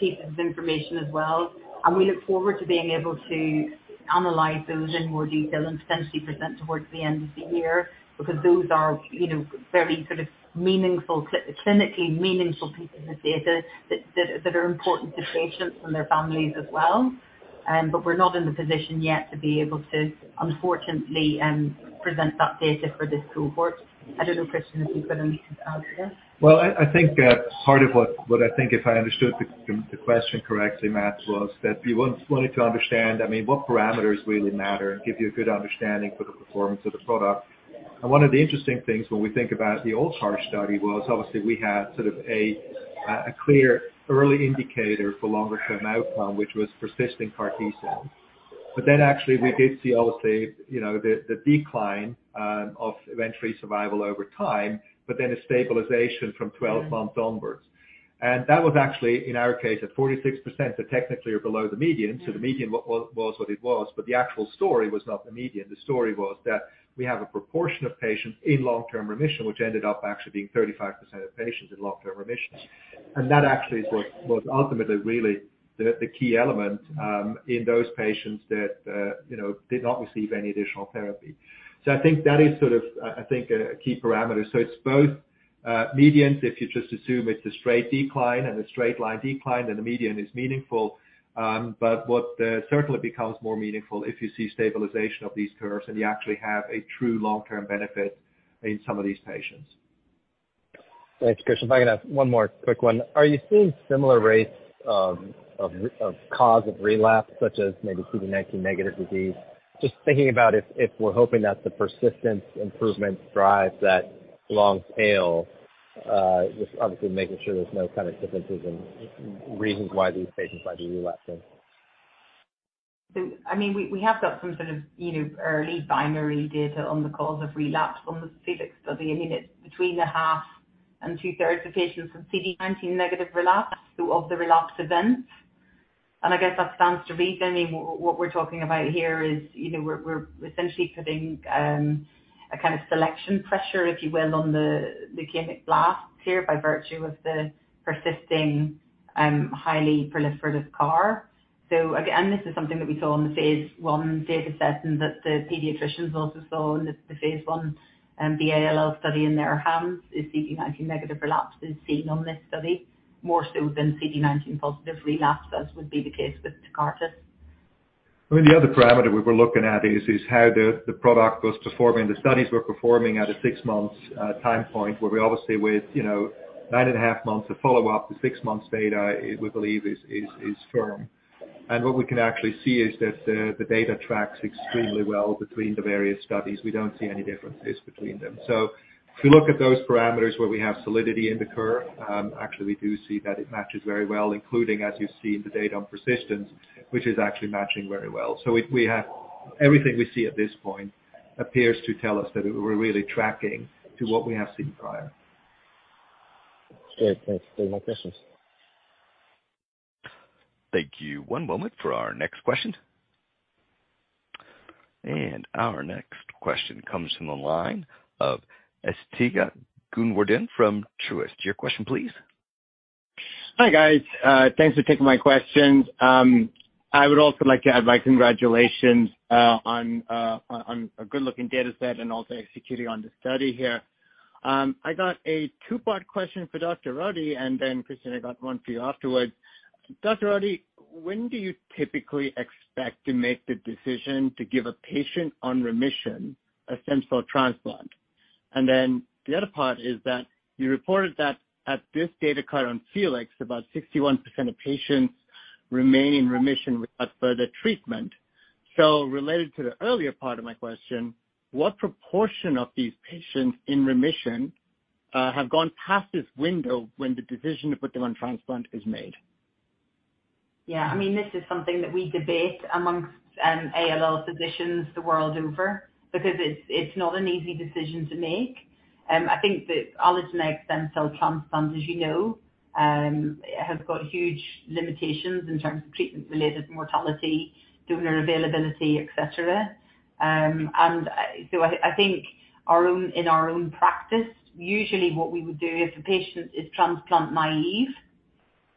pieces of information as well, and we look forward to being able to analyze those in more detail and potentially present towards the end of the year. Those are, you know, very sort of meaningful, clinically meaningful pieces of data that are important to patients and their families as well. We're not in the position yet to be able to, unfortunately, present that data for this cohort. I don't know, Christian, if you've got anything to add here. Well, I think that part of what I think, if I understood the question correctly, Matt, was that you wanted to understand, I mean, what parameters really matter and give you a good understanding for the performance of the product? One of the interesting things when we think about the old CAR T study was obviously we had sort of a clear early indicator for longer term outcome, which was persisting CAR T cell. Actually we did see, obviously, you know, the decline of event-free survival over time, but then a stabilization from 12 months onwards. That was actually, in our case, at 46%, so technically or below the median. Yeah. The median was what it was, but the actual story was not the median. The story was that we have a proportion of patients in long-term remission, which ended up actually being 35% of patients in long-term remission. That actually is what was ultimately really the key element in those patients that, you know, did not receive any additional therapy. I think that is sort of, I think, a key parameter. It's both medians, if you just assume it's a straight decline and a straight line decline, then the median is meaningful. But what certainly becomes more meaningful if you see stabilization of these curves, and you actually have a true long-term benefit in some of these patients. Thanks, Christian. If I can ask one more quick one. Are you seeing similar rates of cause of relapse, such as maybe CD19 negative disease? Just thinking about if we're hoping that the persistence improvement drives that long tail, just obviously making sure there's no kind of differences in reasons why these patients might be relapsing. I mean, we have got some sort of, you know, early binary data on the cause of relapse from the FELIX study. I mean, it's between a half and two-thirds of patients from CD19 negative relapse, so of the relapse events. I guess that stands to reason. I mean, what we're talking about here is, you know, we're essentially putting a kind of selection pressure, if you will, on the leukemic blast here by virtue of the persisting, highly proliferative CAR. Again, this is something that we saw in the phase I data set and that the pediatricians also saw in the phase I ALL study in their hands, is CD19 negative relapse is seen on this study more so than CD19 positive relapse, as would be the case with Tecartus. I mean, the other parameter we were looking at is how the product was performing. The studies were performing at a 6-month time point, where we obviously with, you know, 9 and a half months of follow-up, the 6 months data, we believe is firm. What we can actually see is that the data tracks extremely well between the various studies. We don't see any differences between them. If you look at those parameters where we have solidity in the curve, actually we do see that it matches very well, including, as you've seen, the data on persistence, which is actually matching very well. We have everything we see at this point appears to tell us that we're really tracking to what we have seen prior. Great. Thanks. There's no more questions. Thank you. One moment for our next question. Our next question comes from the line of Asthika Goonewardene from Truist. Your question, please. Hi, guys. Thanks for taking my questions. I would also like to add my congratulations on a good-looking data set and also executing on the study here. I got a two-part question for Dr. Roddie, and then, Christian, I got one for you afterwards. Dr. Roddie, when do you typically expect to make the decision to give a patient on remission a stem cell transplant? The other part is that you reported that at this data cut on FELIX, about 61% of patients remain in remission without further treatment. Related to the earlier part of my question, what proportion of these patients in remission have gone past this window when the decision to put them on transplant is made? Yeah, I mean, this is something that we debate amongst ALL physicians the world over because it's not an easy decision to make. I think that allogeneic stem cell transplant, as you know, has got huge limitations in terms of treatment-related mortality, donor availability, et cetera. I think in our own practice, usually what we would do if a patient is transplant naive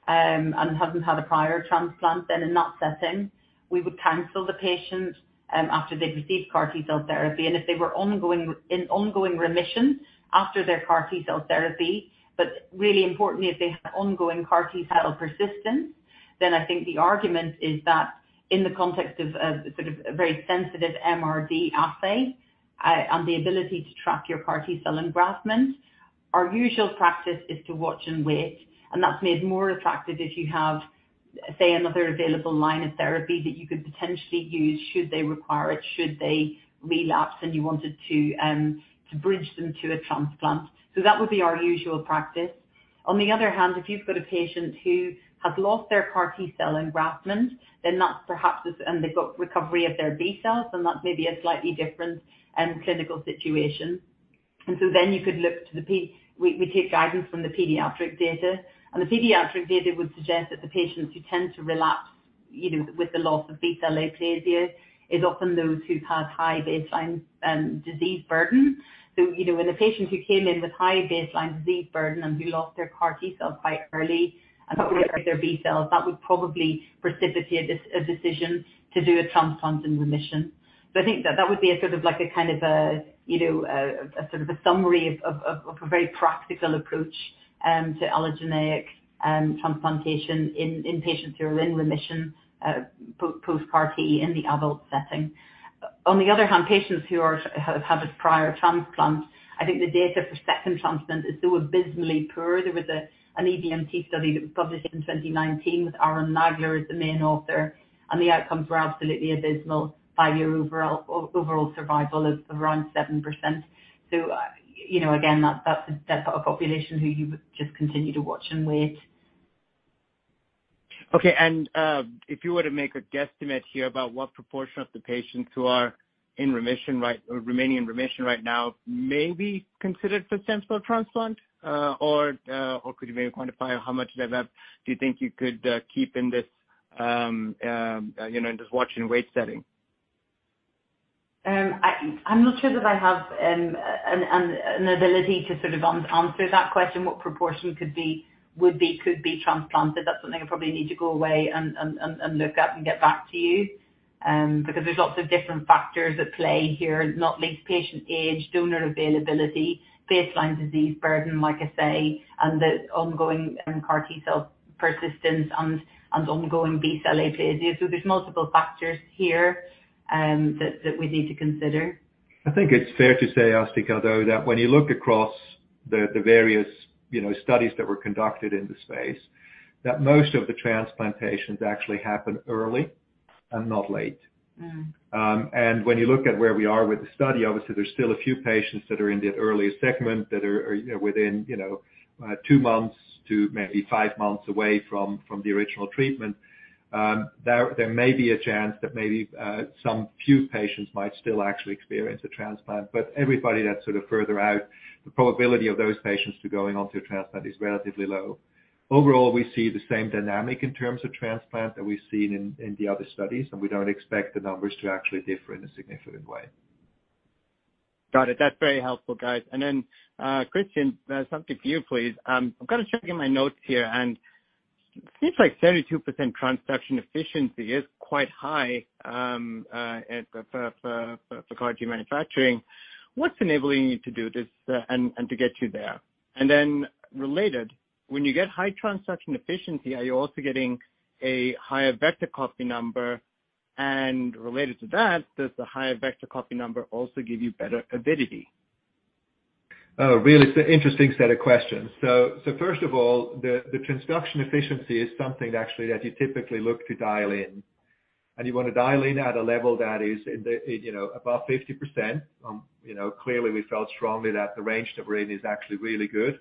and hasn't had a prior transplant, then in that setting, we would counsel the patient after they've received CAR T cell therapy. If they were ongoing, in ongoing remission after their CAR T cell therapy, but really importantly, if they had ongoing CAR T cell persistence, then I think the argument is that in the context of sort of a very sensitive MRD assay, and the ability to track your CAR T cell engraftment, our usual practice is to watch and wait, and that's made more attractive if you have, say, another available line of therapy that you could potentially use, should they require it, should they relapse, and you wanted to bridge them to a transplant. That would be our usual practice. On the other hand, if you've got a patient who has lost their CAR T-cell engraftment, then that's perhaps, and they've got recovery of their B cells, then that's maybe a slightly different clinical situation. You could look to the We take guidance from the pediatric data, and the pediatric data would suggest that the patients who tend to relapse, even with the loss of B-cell aplasia, is often those who've had high baseline disease burden. You know, in the patients who came in with high baseline disease burden and who lost their CAR T cell quite early and their B cells, that would probably precipitate a decision to do a transplant in remission. I think that that would be a sort of like a, kind of a, you know, a sort of a summary of, of a very practical approach to allogeneic transplantation in patients who are in remission post CAR T in the adult setting. On the other hand, patients who have a prior transplant, I think the data for second transplant is still abysmally poor. There was an EBMT study that was published in 2019, with Arnon Nagler as the main author, and the outcomes were absolutely abysmal. Five-year overall survival is around 7%. You know, again, that's a population who you would just continue to watch and wait. Okay, if you were to make a guesstimate here about what proportion of the patients who are remaining in remission right now, may be considered for stem cell transplant, or could you maybe quantify how much of that do you think you could keep in this, you know, just watch and wait setting? I'm not sure that I have an ability to sort of answer that question, what proportion could be, would be, could be transplanted. That's something I probably need to go away and look at and get back to you. Because there's lots of different factors at play here, not least patient age, donor availability, baseline disease burden, like I say, and the ongoing CAR T cell persistence and ongoing B-cell aplasia. There's multiple factors here that we need to consider. I think it's fair to say, Asthika, though, that when you look across the various, you know, studies that were conducted in the space, that most of the transplantations actually happened early and not late. Mm. When you look at where we are with the study, obviously, there's still a few patients that are in the early segment that are, you know, within, you know, 2 months to maybe 5 months away from the original treatment. There, there may be a chance that maybe, some few patients might still actually experience a transplant, but everybody that's sort of further out, the probability of those patients to going on to a transplant is relatively low. Overall, we see the same dynamic in terms of transplant that we've seen in the other studies, and we don't expect the numbers to actually differ in a significant way. Got it. That's very helpful, guys. Then, Christian, something for you, please. I'm kind of checking my notes here, and it seems like 32% transduction efficiency is quite high for CAR T manufacturing. What's enabling you to do this and to get you there? Then related, when you get high transduction efficiency, are you also getting a higher vector copy number? Related to that, does the higher vector copy number also give you better avidity? Really it's an interesting set of questions. First of all, the transduction efficiency is something actually that you typically look to dial in, and you want to dial in at a level that is in the, you know, above 50%. You know, clearly we felt strongly that the range that we're in is actually really good.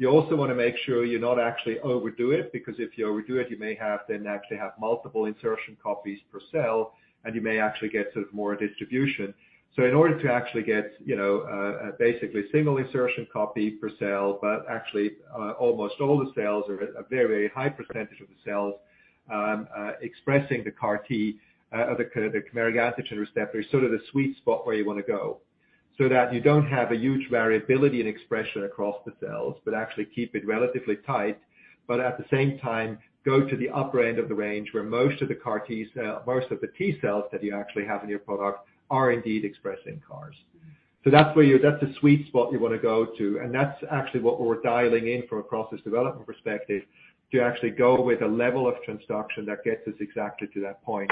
You also want to make sure you not actually overdo it, because if you overdo it, you may then actually have multiple insertion copies per cell, and you may actually get sort of more distribution. In order to actually get, you know, basically single insertion copy per cell, but actually, almost all the cells are a very, very high percentage of the cells, expressing the CAR T, the chimeric antigen receptor, sort of the sweet spot where you want to go. That you don't have a huge variability in expression across the cells, but actually keep it relatively tight, but at the same time, go to the upper end of the range, where most of the CAR T-cells, most of the T cells that you actually have in your product are indeed expressing CARs. That's the sweet spot you want to go to, and that's actually what we're dialing in from a process development perspective, to actually go with a level of transduction that gets us exactly to that point.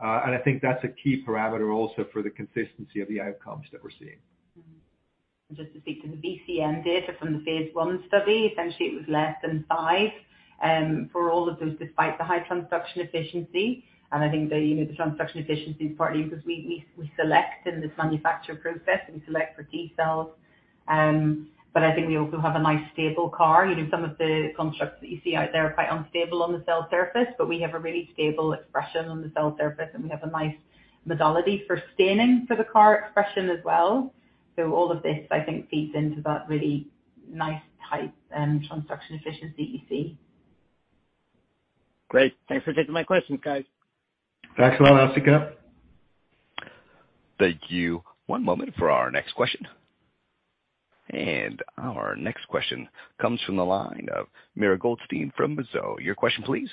I think that's a key parameter also for the consistency of the outcomes that we're seeing. Just to speak to the VCN data from the phase I study, essentially it was less than 5 for all of those, despite the high transduction efficiency. I think the, you know, the transduction efficiency is partly because we select in this manufacture process, we select for T cells. I think we also have a nice stable CAR. You know, some of the constructs that you see out there are quite unstable on the cell surface, but we have a really stable expression on the cell surface, and we have a nice modality for staining for the CAR expression as well. All of this, I think, feeds into that really nice, tight transduction efficiency you see. Great. Thanks for taking my questions, guys. Maxwell, how's it go? Thank you. One moment for our next question. Our next question comes from the line of Mara Goldstein from Mizuho. Your question, please.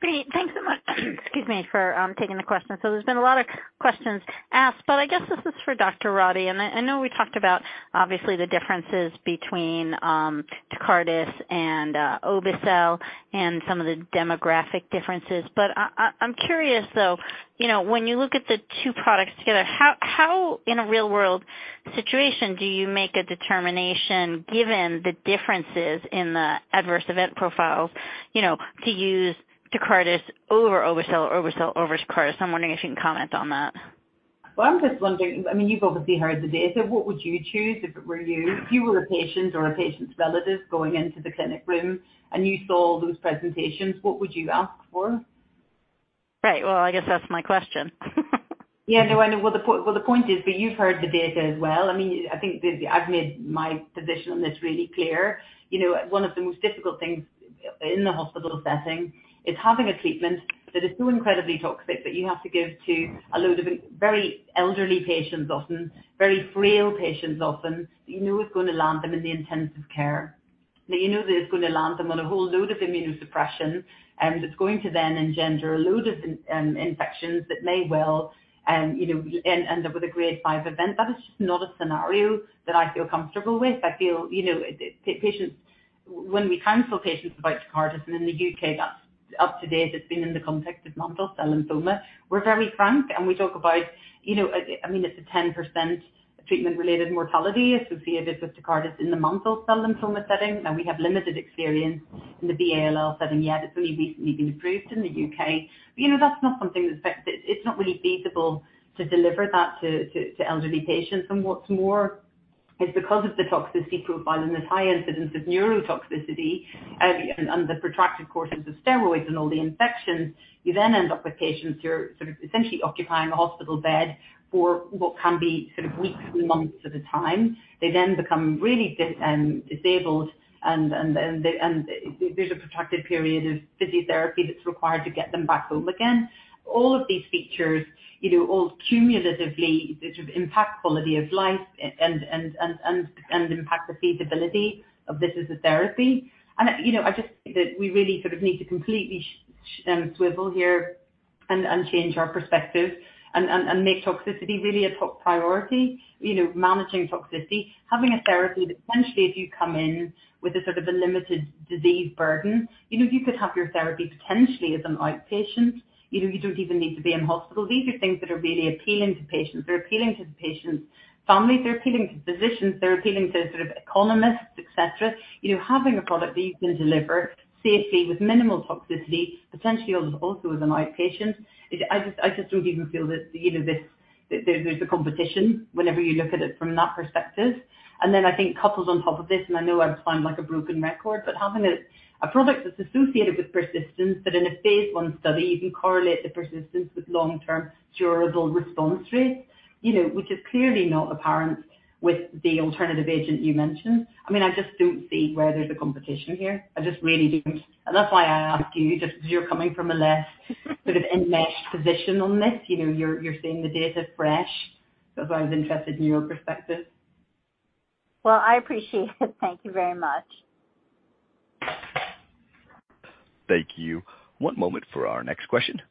Great. Thanks so much, excuse me, for taking the question. There's been a lot of questions asked, but I guess this is for Dr. Roddie. I know we talked about, obviously, the differences between Tecartus and obe-cel, and some of the demographic differences. I, I'm curious, though, you know, when you look at the two products together, how in a real-world situation do you make a determination, given the differences in the adverse event profiles, you know, to use Tecartus over obe-cel or obe-cel over Tecartus? I'm wondering if you can comment on that. Well, I'm just wondering, I mean, you've obviously heard the data. What would you choose if it were you? If you were a patient or a patient's relative going into the clinic room and you saw those presentations, what would you ask for? Right. Well, I guess that's my question. Yeah, no, I know. Well, the point is that you've heard the data as well. I mean, I think I've made my position on this really clear. You know, one of the most difficult things in the hospital setting is having a treatment that is so incredibly toxic that you have to give to a load of very elderly patients, often very frail patients, often. You know it's going to land them in the intensive care. That you know that it's going to land them on a whole load of immunosuppression, and it's going to then engender a load of in infections that may well, you know, end up with a grade five event. That is just not a scenario that I feel comfortable with. I feel, you know, patients... When we counsel patients about Tecartus, and in the UK, that's up to date, it's been in the context of mantle cell lymphoma. We're very frank, I mean, it's a 10% treatment-related mortality associated with Tecartus in the mantle cell lymphoma setting. We have limited experience in the B-ALL setting, yet it's only recently been approved in the UK. You know, it's not really feasible to deliver that to elderly patients. What's more, is because of the toxicity profile and this high incidence of neurotoxicityicity, and the protracted courses of steroids and all the infections, you then end up with patients who are sort of essentially occupying a hospital bed for what can be sort of weeks to months at a time. They then become really disabled, and there's a protracted period of physiotherapy that's required to get them back home again. All of these features, you know, all cumulatively, sort of impact quality of life and impact the feasibility of this as a therapy. You know, I just think that we really sort of need to completely swivel here and change our perspective and make toxicity really a top priority. You know, managing toxicity, having a therapy that potentially, if you come in with a sort of a limited disease burden, you know, you could have your therapy potentially as an outpatient. You know, you don't even need to be in hospital. These are things that are really appealing to patients. They're appealing to the patient's families, they're appealing to physicians, they're appealing to sort of economists, et cetera. You know, having a product that you can deliver safely with minimal toxicity, potentially also as an outpatient, is I just don't even feel that, you know, this, there's a competition whenever you look at it from that perspective. Then I think coupled on top of this, and I know I sound like a broken record, but having a product that's associated with persistence, that in a phase I study, you can correlate the persistence with long-term durable response rates, you know, which is clearly not apparent with the alternative agent you mentioned. I mean, I just don't see where there's a competition here. I just really don't. That's why I ask you, just because you're coming from a less sort of enmeshed position on this. You know, you're seeing the data fresh. That's why I was interested in your perspective. Well, I appreciate it. Thank you very much. Thank you. One moment for our next question.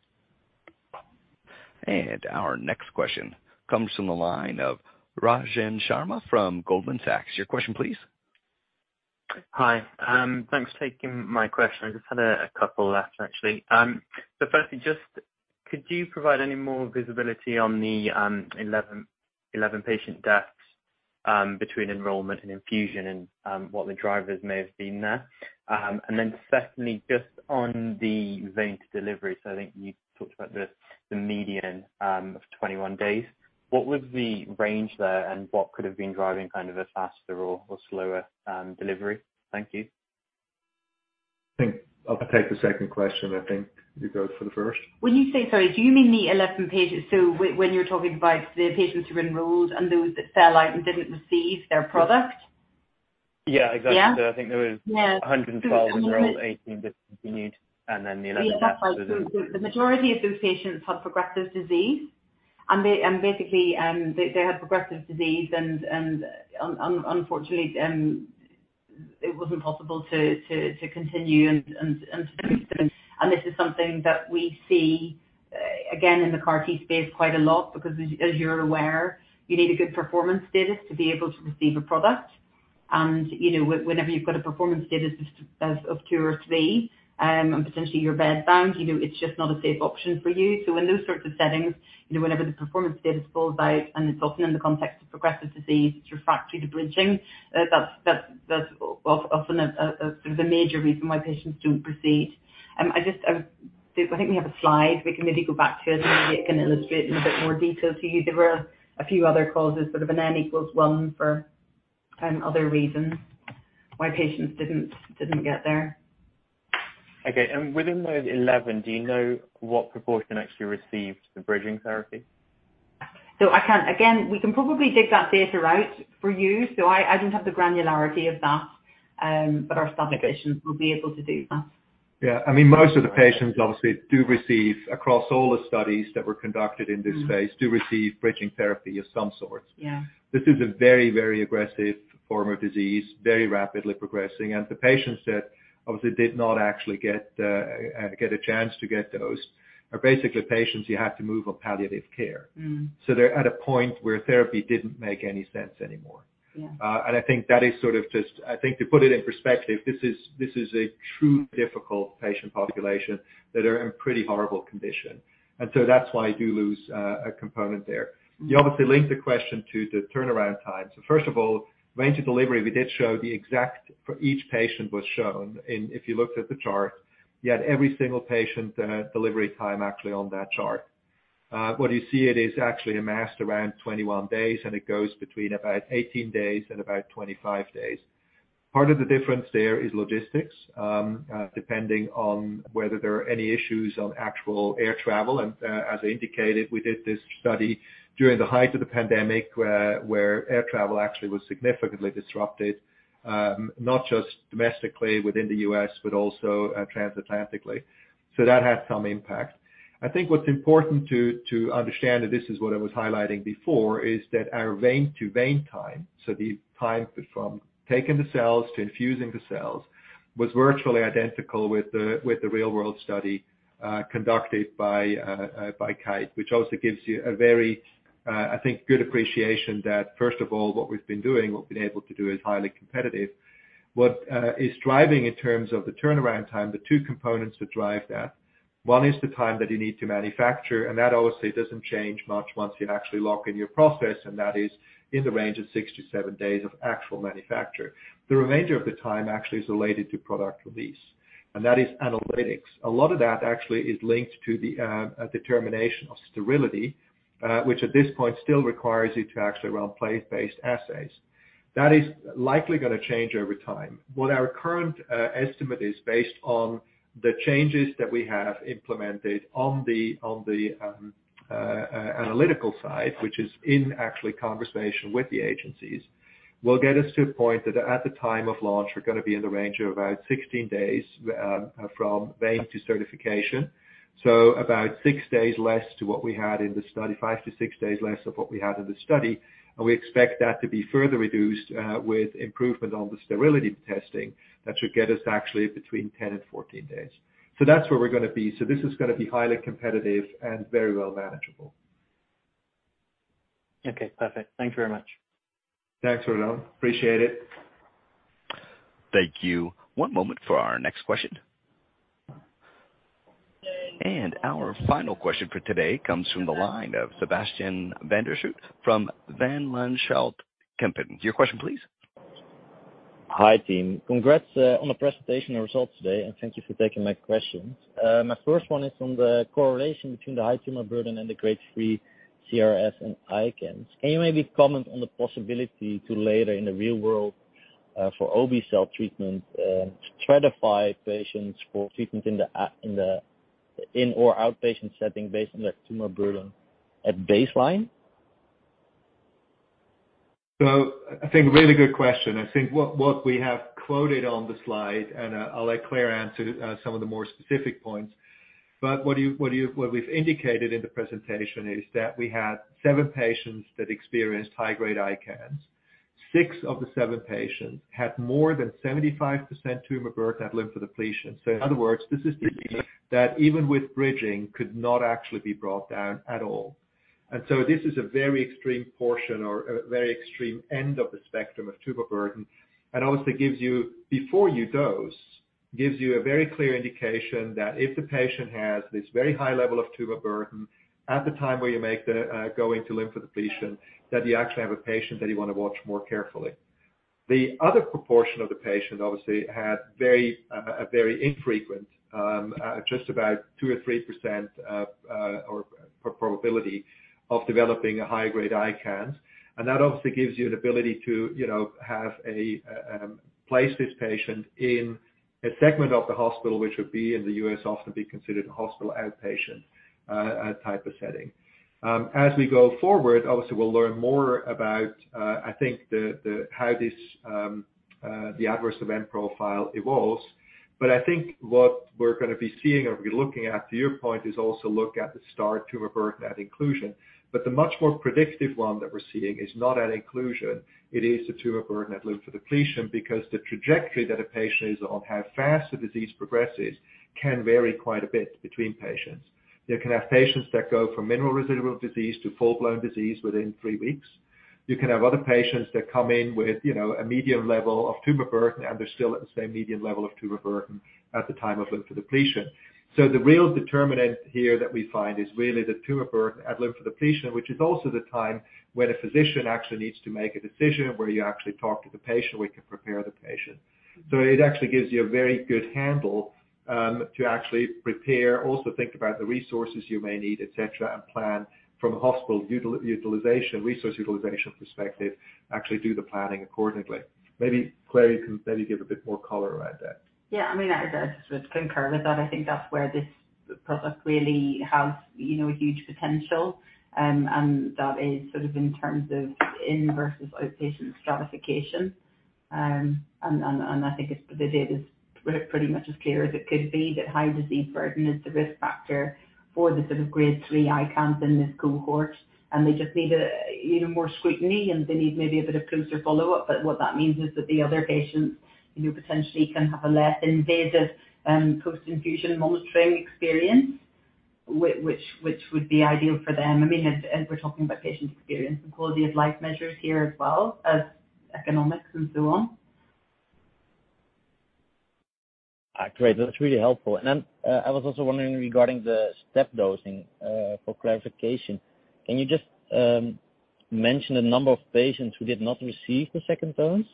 Our next question comes from the line of Rajan Sharma from Goldman Sachs. Your question, please. Hi, thanks for taking my question. I just had a couple left, actually. Firstly, just could you provide any more visibility on the 11 patient deaths between enrollment and infusion and what the drivers may have been there? Secondly, just on the vein to delivery, I think you talked about the median of 21 days. What was the range there, and what could have been driving kind of a faster or slower delivery? Thank you. I think I'll take the second question. I think you go for the first. Sorry, do you mean the 11 patients, when you're talking about the patients who enrolled and those that fell out and didn't receive their product? Yeah, exactly. Yeah. I think there was... Yeah. 112 enrolled, 18 discontinued, and then the 11- The majority of those patients had progressive disease, and they, and basically, they had progressive disease, and unfortunately, it was impossible to continue and treat them. This is something that we see, again, in the CAR T space quite a lot, because as you're aware, you need a good performance status to be able to receive a product. You know, whenever you've got a performance status of two or three, and potentially you're bedbound, you know, it's just not a safe option for you. In those sorts of settings, you know, whenever the performance status falls out, and it's often in the context of progressive disease, it's refractory to bridging, that's, well, often a major reason why patients don't proceed. I just, I think we have a slide. We can maybe go back to it, and it can illustrate in a bit more detail to you. There were a few other causes, sort of an N equals one for, other reasons why patients didn't get there. Okay. Within those 11, do you know what proportion actually received the bridging therapy? I can, again, we can probably dig that data out for you. I don't have the granularity of that, but our study patients will be able to do that. I mean, most of the patients obviously do receive, across all the studies that were conducted in this phase, do receive bridging therapy of some sort. Yeah. This is a very, very aggressive form of disease, very rapidly progressing. The patients that obviously did not actually get a chance to get those, are basically patients you have to move on palliative care. Mm. They're at a point where therapy didn't make any sense anymore. Yeah. I think to put it in perspective, this is a true difficult patient population that are in pretty horrible condition. That is why you do lose a component there. Mm. You obviously linked the question to the turnaround time. First of all, range of delivery, we did show the exact, for each patient was shown. If you looked at the chart, you had every single patient, delivery time actually on that chart. What you see it is actually amassed around 21 days, and it goes between about 18 days and about 25 days. Part of the difference there is logistics, depending on whether there are any issues on actual air travel. As I indicated, we did this study during the height of the pandemic, where air travel actually was significantly disrupted, not just domestically within the U.S., but also transatlantically. That had some impact. I think what's important to understand, and this is what I was highlighting before, is that our vein-to-vein time, so the time from taking the cells to infusing the cells, was virtually identical with the real world study conducted by Kite, which also gives you a very, I think, good appreciation that first of all, what we've been doing, what we've been able to do, is highly competitive. What is driving in terms of the turnaround time, the two components that drive that, one is the time that you need to manufacture, and that obviously doesn't change much once you actually lock in your process, and that is in the range of 6 to 7 days of actual manufacture. The remainder of the time actually is related to product release, and that is analytics. A lot of that actually is linked to the determination of sterility, which at this point still requires you to actually run plate-based assays. That is likely gonna change over time. What our current estimate is based on the changes that we have implemented on the analytical side, which is in actually conversation with the agencies, will get us to a point that at the time of launch, we're gonna be in the range of about 16 days from vein to certification. About 6 days less to what we had in the study, five to six days less of what we had in the study, and we expect that to be further reduced with improvement on the sterility testing. That should get us actually between 10 and 14 days. That's where we're gonna be. This is gonna be highly competitive and very well manageable. Okay, perfect. Thank you very much. Thanks, Ronald. Appreciate it. Thank you. One moment for our next question. Our final question for today comes from the line of Sebastiaan van der Schoot from Van Lanschot Kempen. Your question, please. Hi, team. Congrats on the presentation and results today. Thank you for taking my questions. My first one is on the correlation between the high tumor burden and the grade three CRS and ICANS. Can you maybe comment on the possibility to later in the real world for obe-cel treatment stratify patients for treatment in the in or outpatient setting based on the tumor burden at baseline? I think a really good question. I think what we have quoted on the slide, and I'll let Claire answer some of the more specific points. What we've indicated in the presentation is that we had 7 patients that experienced high-grade ICANS. 6 of the 7 patients had more than 75% tumor burden at lymphodepletion. In other words, this is that even with bridging, could not actually be brought down at all. This is a very extreme portion or a very extreme end of the spectrum of tumor burden, and obviously gives you, before you dose, gives you a very clear indication that if the patient has this very high level of tumor burden at the time where you make the going to lymphodepletion, that you actually have a patient that you want to watch more carefully. The other proportion of the patient obviously, had very, a very infrequent, just about 2 or 3%, or probability of developing a high-grade ICANS. That obviously gives you an ability to, you know, have a place this patient in a segment of the hospital, which would be, in the U.S., often be considered a hospital outpatient type of setting. As we go forward, obviously, we'll learn more about, I think the how this the adverse event profile evolves. I think what we're gonna be seeing or be looking at, to your point, is also look at the start tumor burden at inclusion. The much more predictive one that we're seeing is not at inclusion, it is the tumor burden at lymphodepletion, because the trajectory that a patient is on, how fast the disease progresses, can vary quite a bit between patients. You can have patients that go from minimal residual disease to full-blown disease within three weeks. You can have other patients that come in with, you know, a medium level of tumor burden, and they're still at the same medium level of tumor burden at the time of lymphodepletion. The real determinant here that we find is really the tumor burden at lymphodepletion, which is also the time when a physician actually needs to make a decision, where you actually talk to the patient, we can prepare the patient. It actually gives you a very good handle, to actually prepare, also think about the resources you may need, et cetera, and plan from a hospital utilization, resource utilization perspective, actually do the planning accordingly. Maybe, Claire, you can maybe give a bit more color around that. Yeah, I mean, I just would concur with that. I think that's where this product really has, you know, huge potential, and that is sort of in terms of in versus outpatient stratification. I think it's, the data is pretty much as clear as it could be, that high disease burden is the risk factor for the sort of grade three ICANS in this cohort. They just need a, you know, more scrutiny, and they need maybe a bit of closer follow-up. What that means is that the other patients, you know, potentially can have a less invasive, post-infusion monitoring experience, which would be ideal for them. I mean, we're talking about patient experience and quality of life measures here as well as economics and so on. Great. I was also wondering regarding the step dosing, for clarification, can you just mention the number of patients who did not receive the second dose?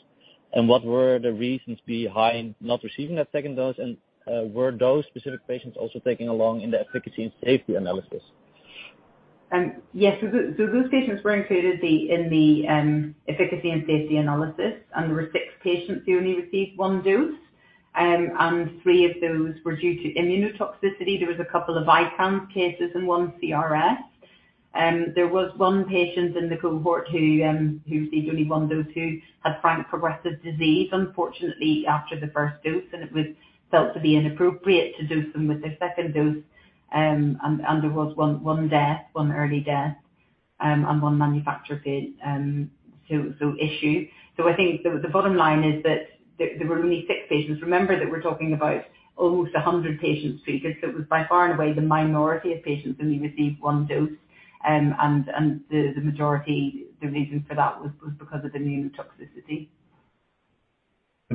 What were the reasons behind not receiving that second dose, were those specific patients also taking along in the efficacy and safety analysis? Yes. Those patients were included in the efficacy and safety analysis, and there were 6 patients who only received one dose. 3 of those were due to immunotoxicity. There was a couple of ICANS cases and 1 CRS. There was 1 patient in the cohort who received only 1 dose, who had frank progressive disease, unfortunately, after the 1st dose, and it was felt to be inappropriate to dose them with a 2nd dose. There was 1 death, 1 early death, and 1 manufacturer issue. I think the bottom line is that there were only 6 patients. Remember that we're talking about almost 100 patients here. It was by far and away, the minority of patients only received 1 dose. The majority, the reason for that was because of immunotoxicity.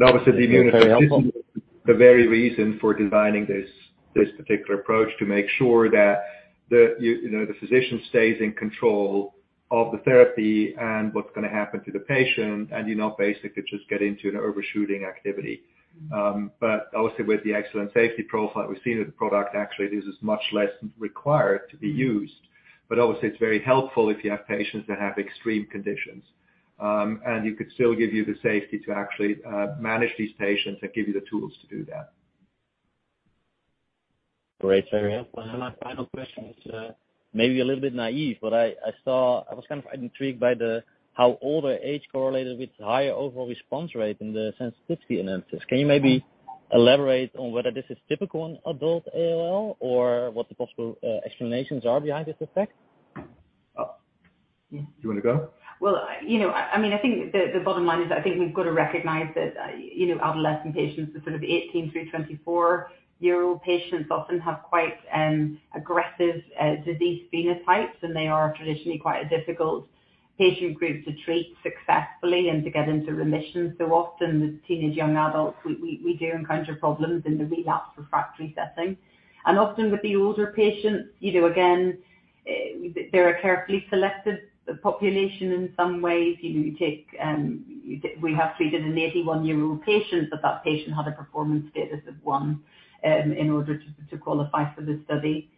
obviously, the immunotoxicity- Very helpful. the very reason for designing this particular approach, to make sure that you know, the physician stays in control of the therapy and what's gonna happen to the patient, and you not basically just get into an overshooting activity. Obviously, with the excellent safety profile we've seen in the product, actually this is much less required to be used. Obviously, it's very helpful if you have patients that have extreme conditions. You could still give you the safety to actually manage these patients and give you the tools to do that. Great. Very helpful. My final question is, maybe a little bit naive, but I saw I was kind of intrigued by the, how older age correlated with higher overall response rate in the sensitivity analysis. Can you maybe elaborate on whether this is typical in adult ALL, or what the possible explanations are behind this effect? Do you want to go? You know, I mean, I think the bottom line is I think we've got to recognize that, you know, adolescent patients are sort of 18 through 24-year-old patients, often have quite aggressive disease phenotypes, and they are traditionally quite a difficult patient group to treat successfully and to get into remission. Often with teenage, young adults, we do encounter problems in the relapse refractory setting. Often with the older patients, you know, again, they're a carefully selected population in some ways. You know, you take, we have treated an 81-year-old patient, but that patient had a performance status of 1 in order to qualify for the study.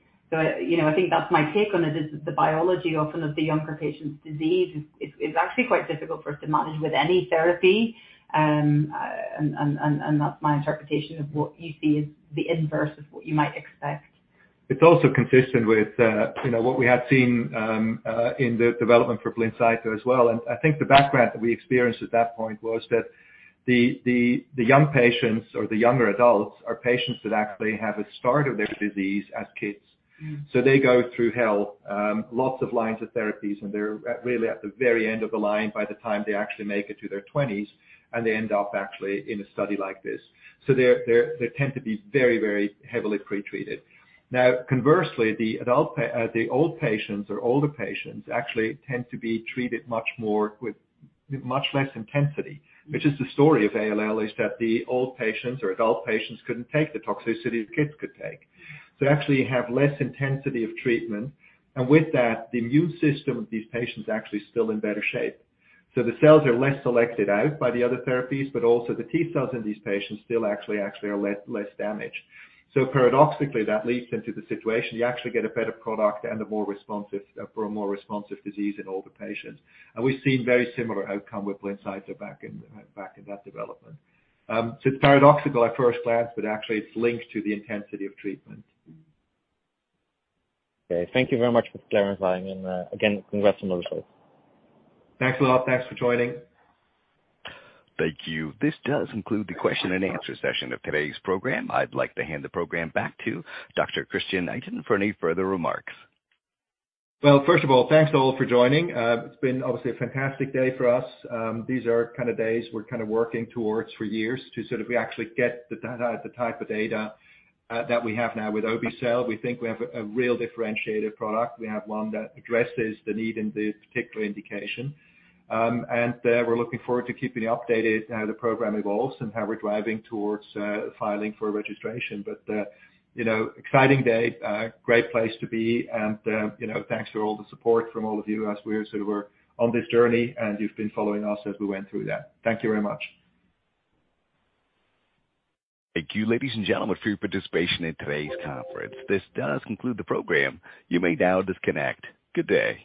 you know, I think that's my take on it, is the biology often of the younger patient's disease is actually quite difficult for us to manage with any therapy. That's my interpretation of what you see is the inverse of what you might expect. It's also consistent with, you know, what we had seen, in the development for BLINCYTO as well. I think the background that we experienced at that point was that the young patients or the younger adults, are patients that actually have a start of their disease as kids. Mm. They go through hell, lots of lines of therapies, and they're really at the very end of the line by the time they actually make it to their twenties, and they end up actually in a study like this. They tend to be very, very heavily pre-treated. Conversely, the adult patients or older patients actually tend to be treated much more with much less intensity. Mm. The story of ALL, is that the old patients or adult patients couldn't take the toxicity the kids could take. Actually, you have less intensity of treatment, and with that, the immune system of these patients is actually still in better shape. The cells are less selected out by the other therapies, but also the T cells in these patients still actually are less damaged. Paradoxically, that leads into the situation. You actually get a better product and a more responsive for a more responsive disease in older patients. We've seen very similar outcome with BLINCYTO back in back in that development. It's paradoxical at first glance, but actually it's linked to the intensity of treatment. Thank you very much for clarifying, and again, congrats on those results. Thanks a lot. Thanks for joining. Thank you. This does conclude the question and answer session of today's program. I'd like to hand the program back to Dr. Christian Itin for any further remarks. Well, first of all, thanks all for joining. It's been obviously a fantastic day for us. These are kind of days we're kind of working towards for years to sort of we actually get the type of data that we have now with obe-cel. We think we have a real differentiated product. We have one that addresses the need in this particular indication. We're looking forward to keeping you updated as the program evolves and how we're driving towards filing for registration. You know, exciting day, great place to be. You know, thanks for all the support from all of you as we're on this journey, and you've been following us as we went through that. Thank you very much. Thank you, ladies and gentlemen, for your participation in today's conference. This does conclude the program. You may now disconnect. Good day!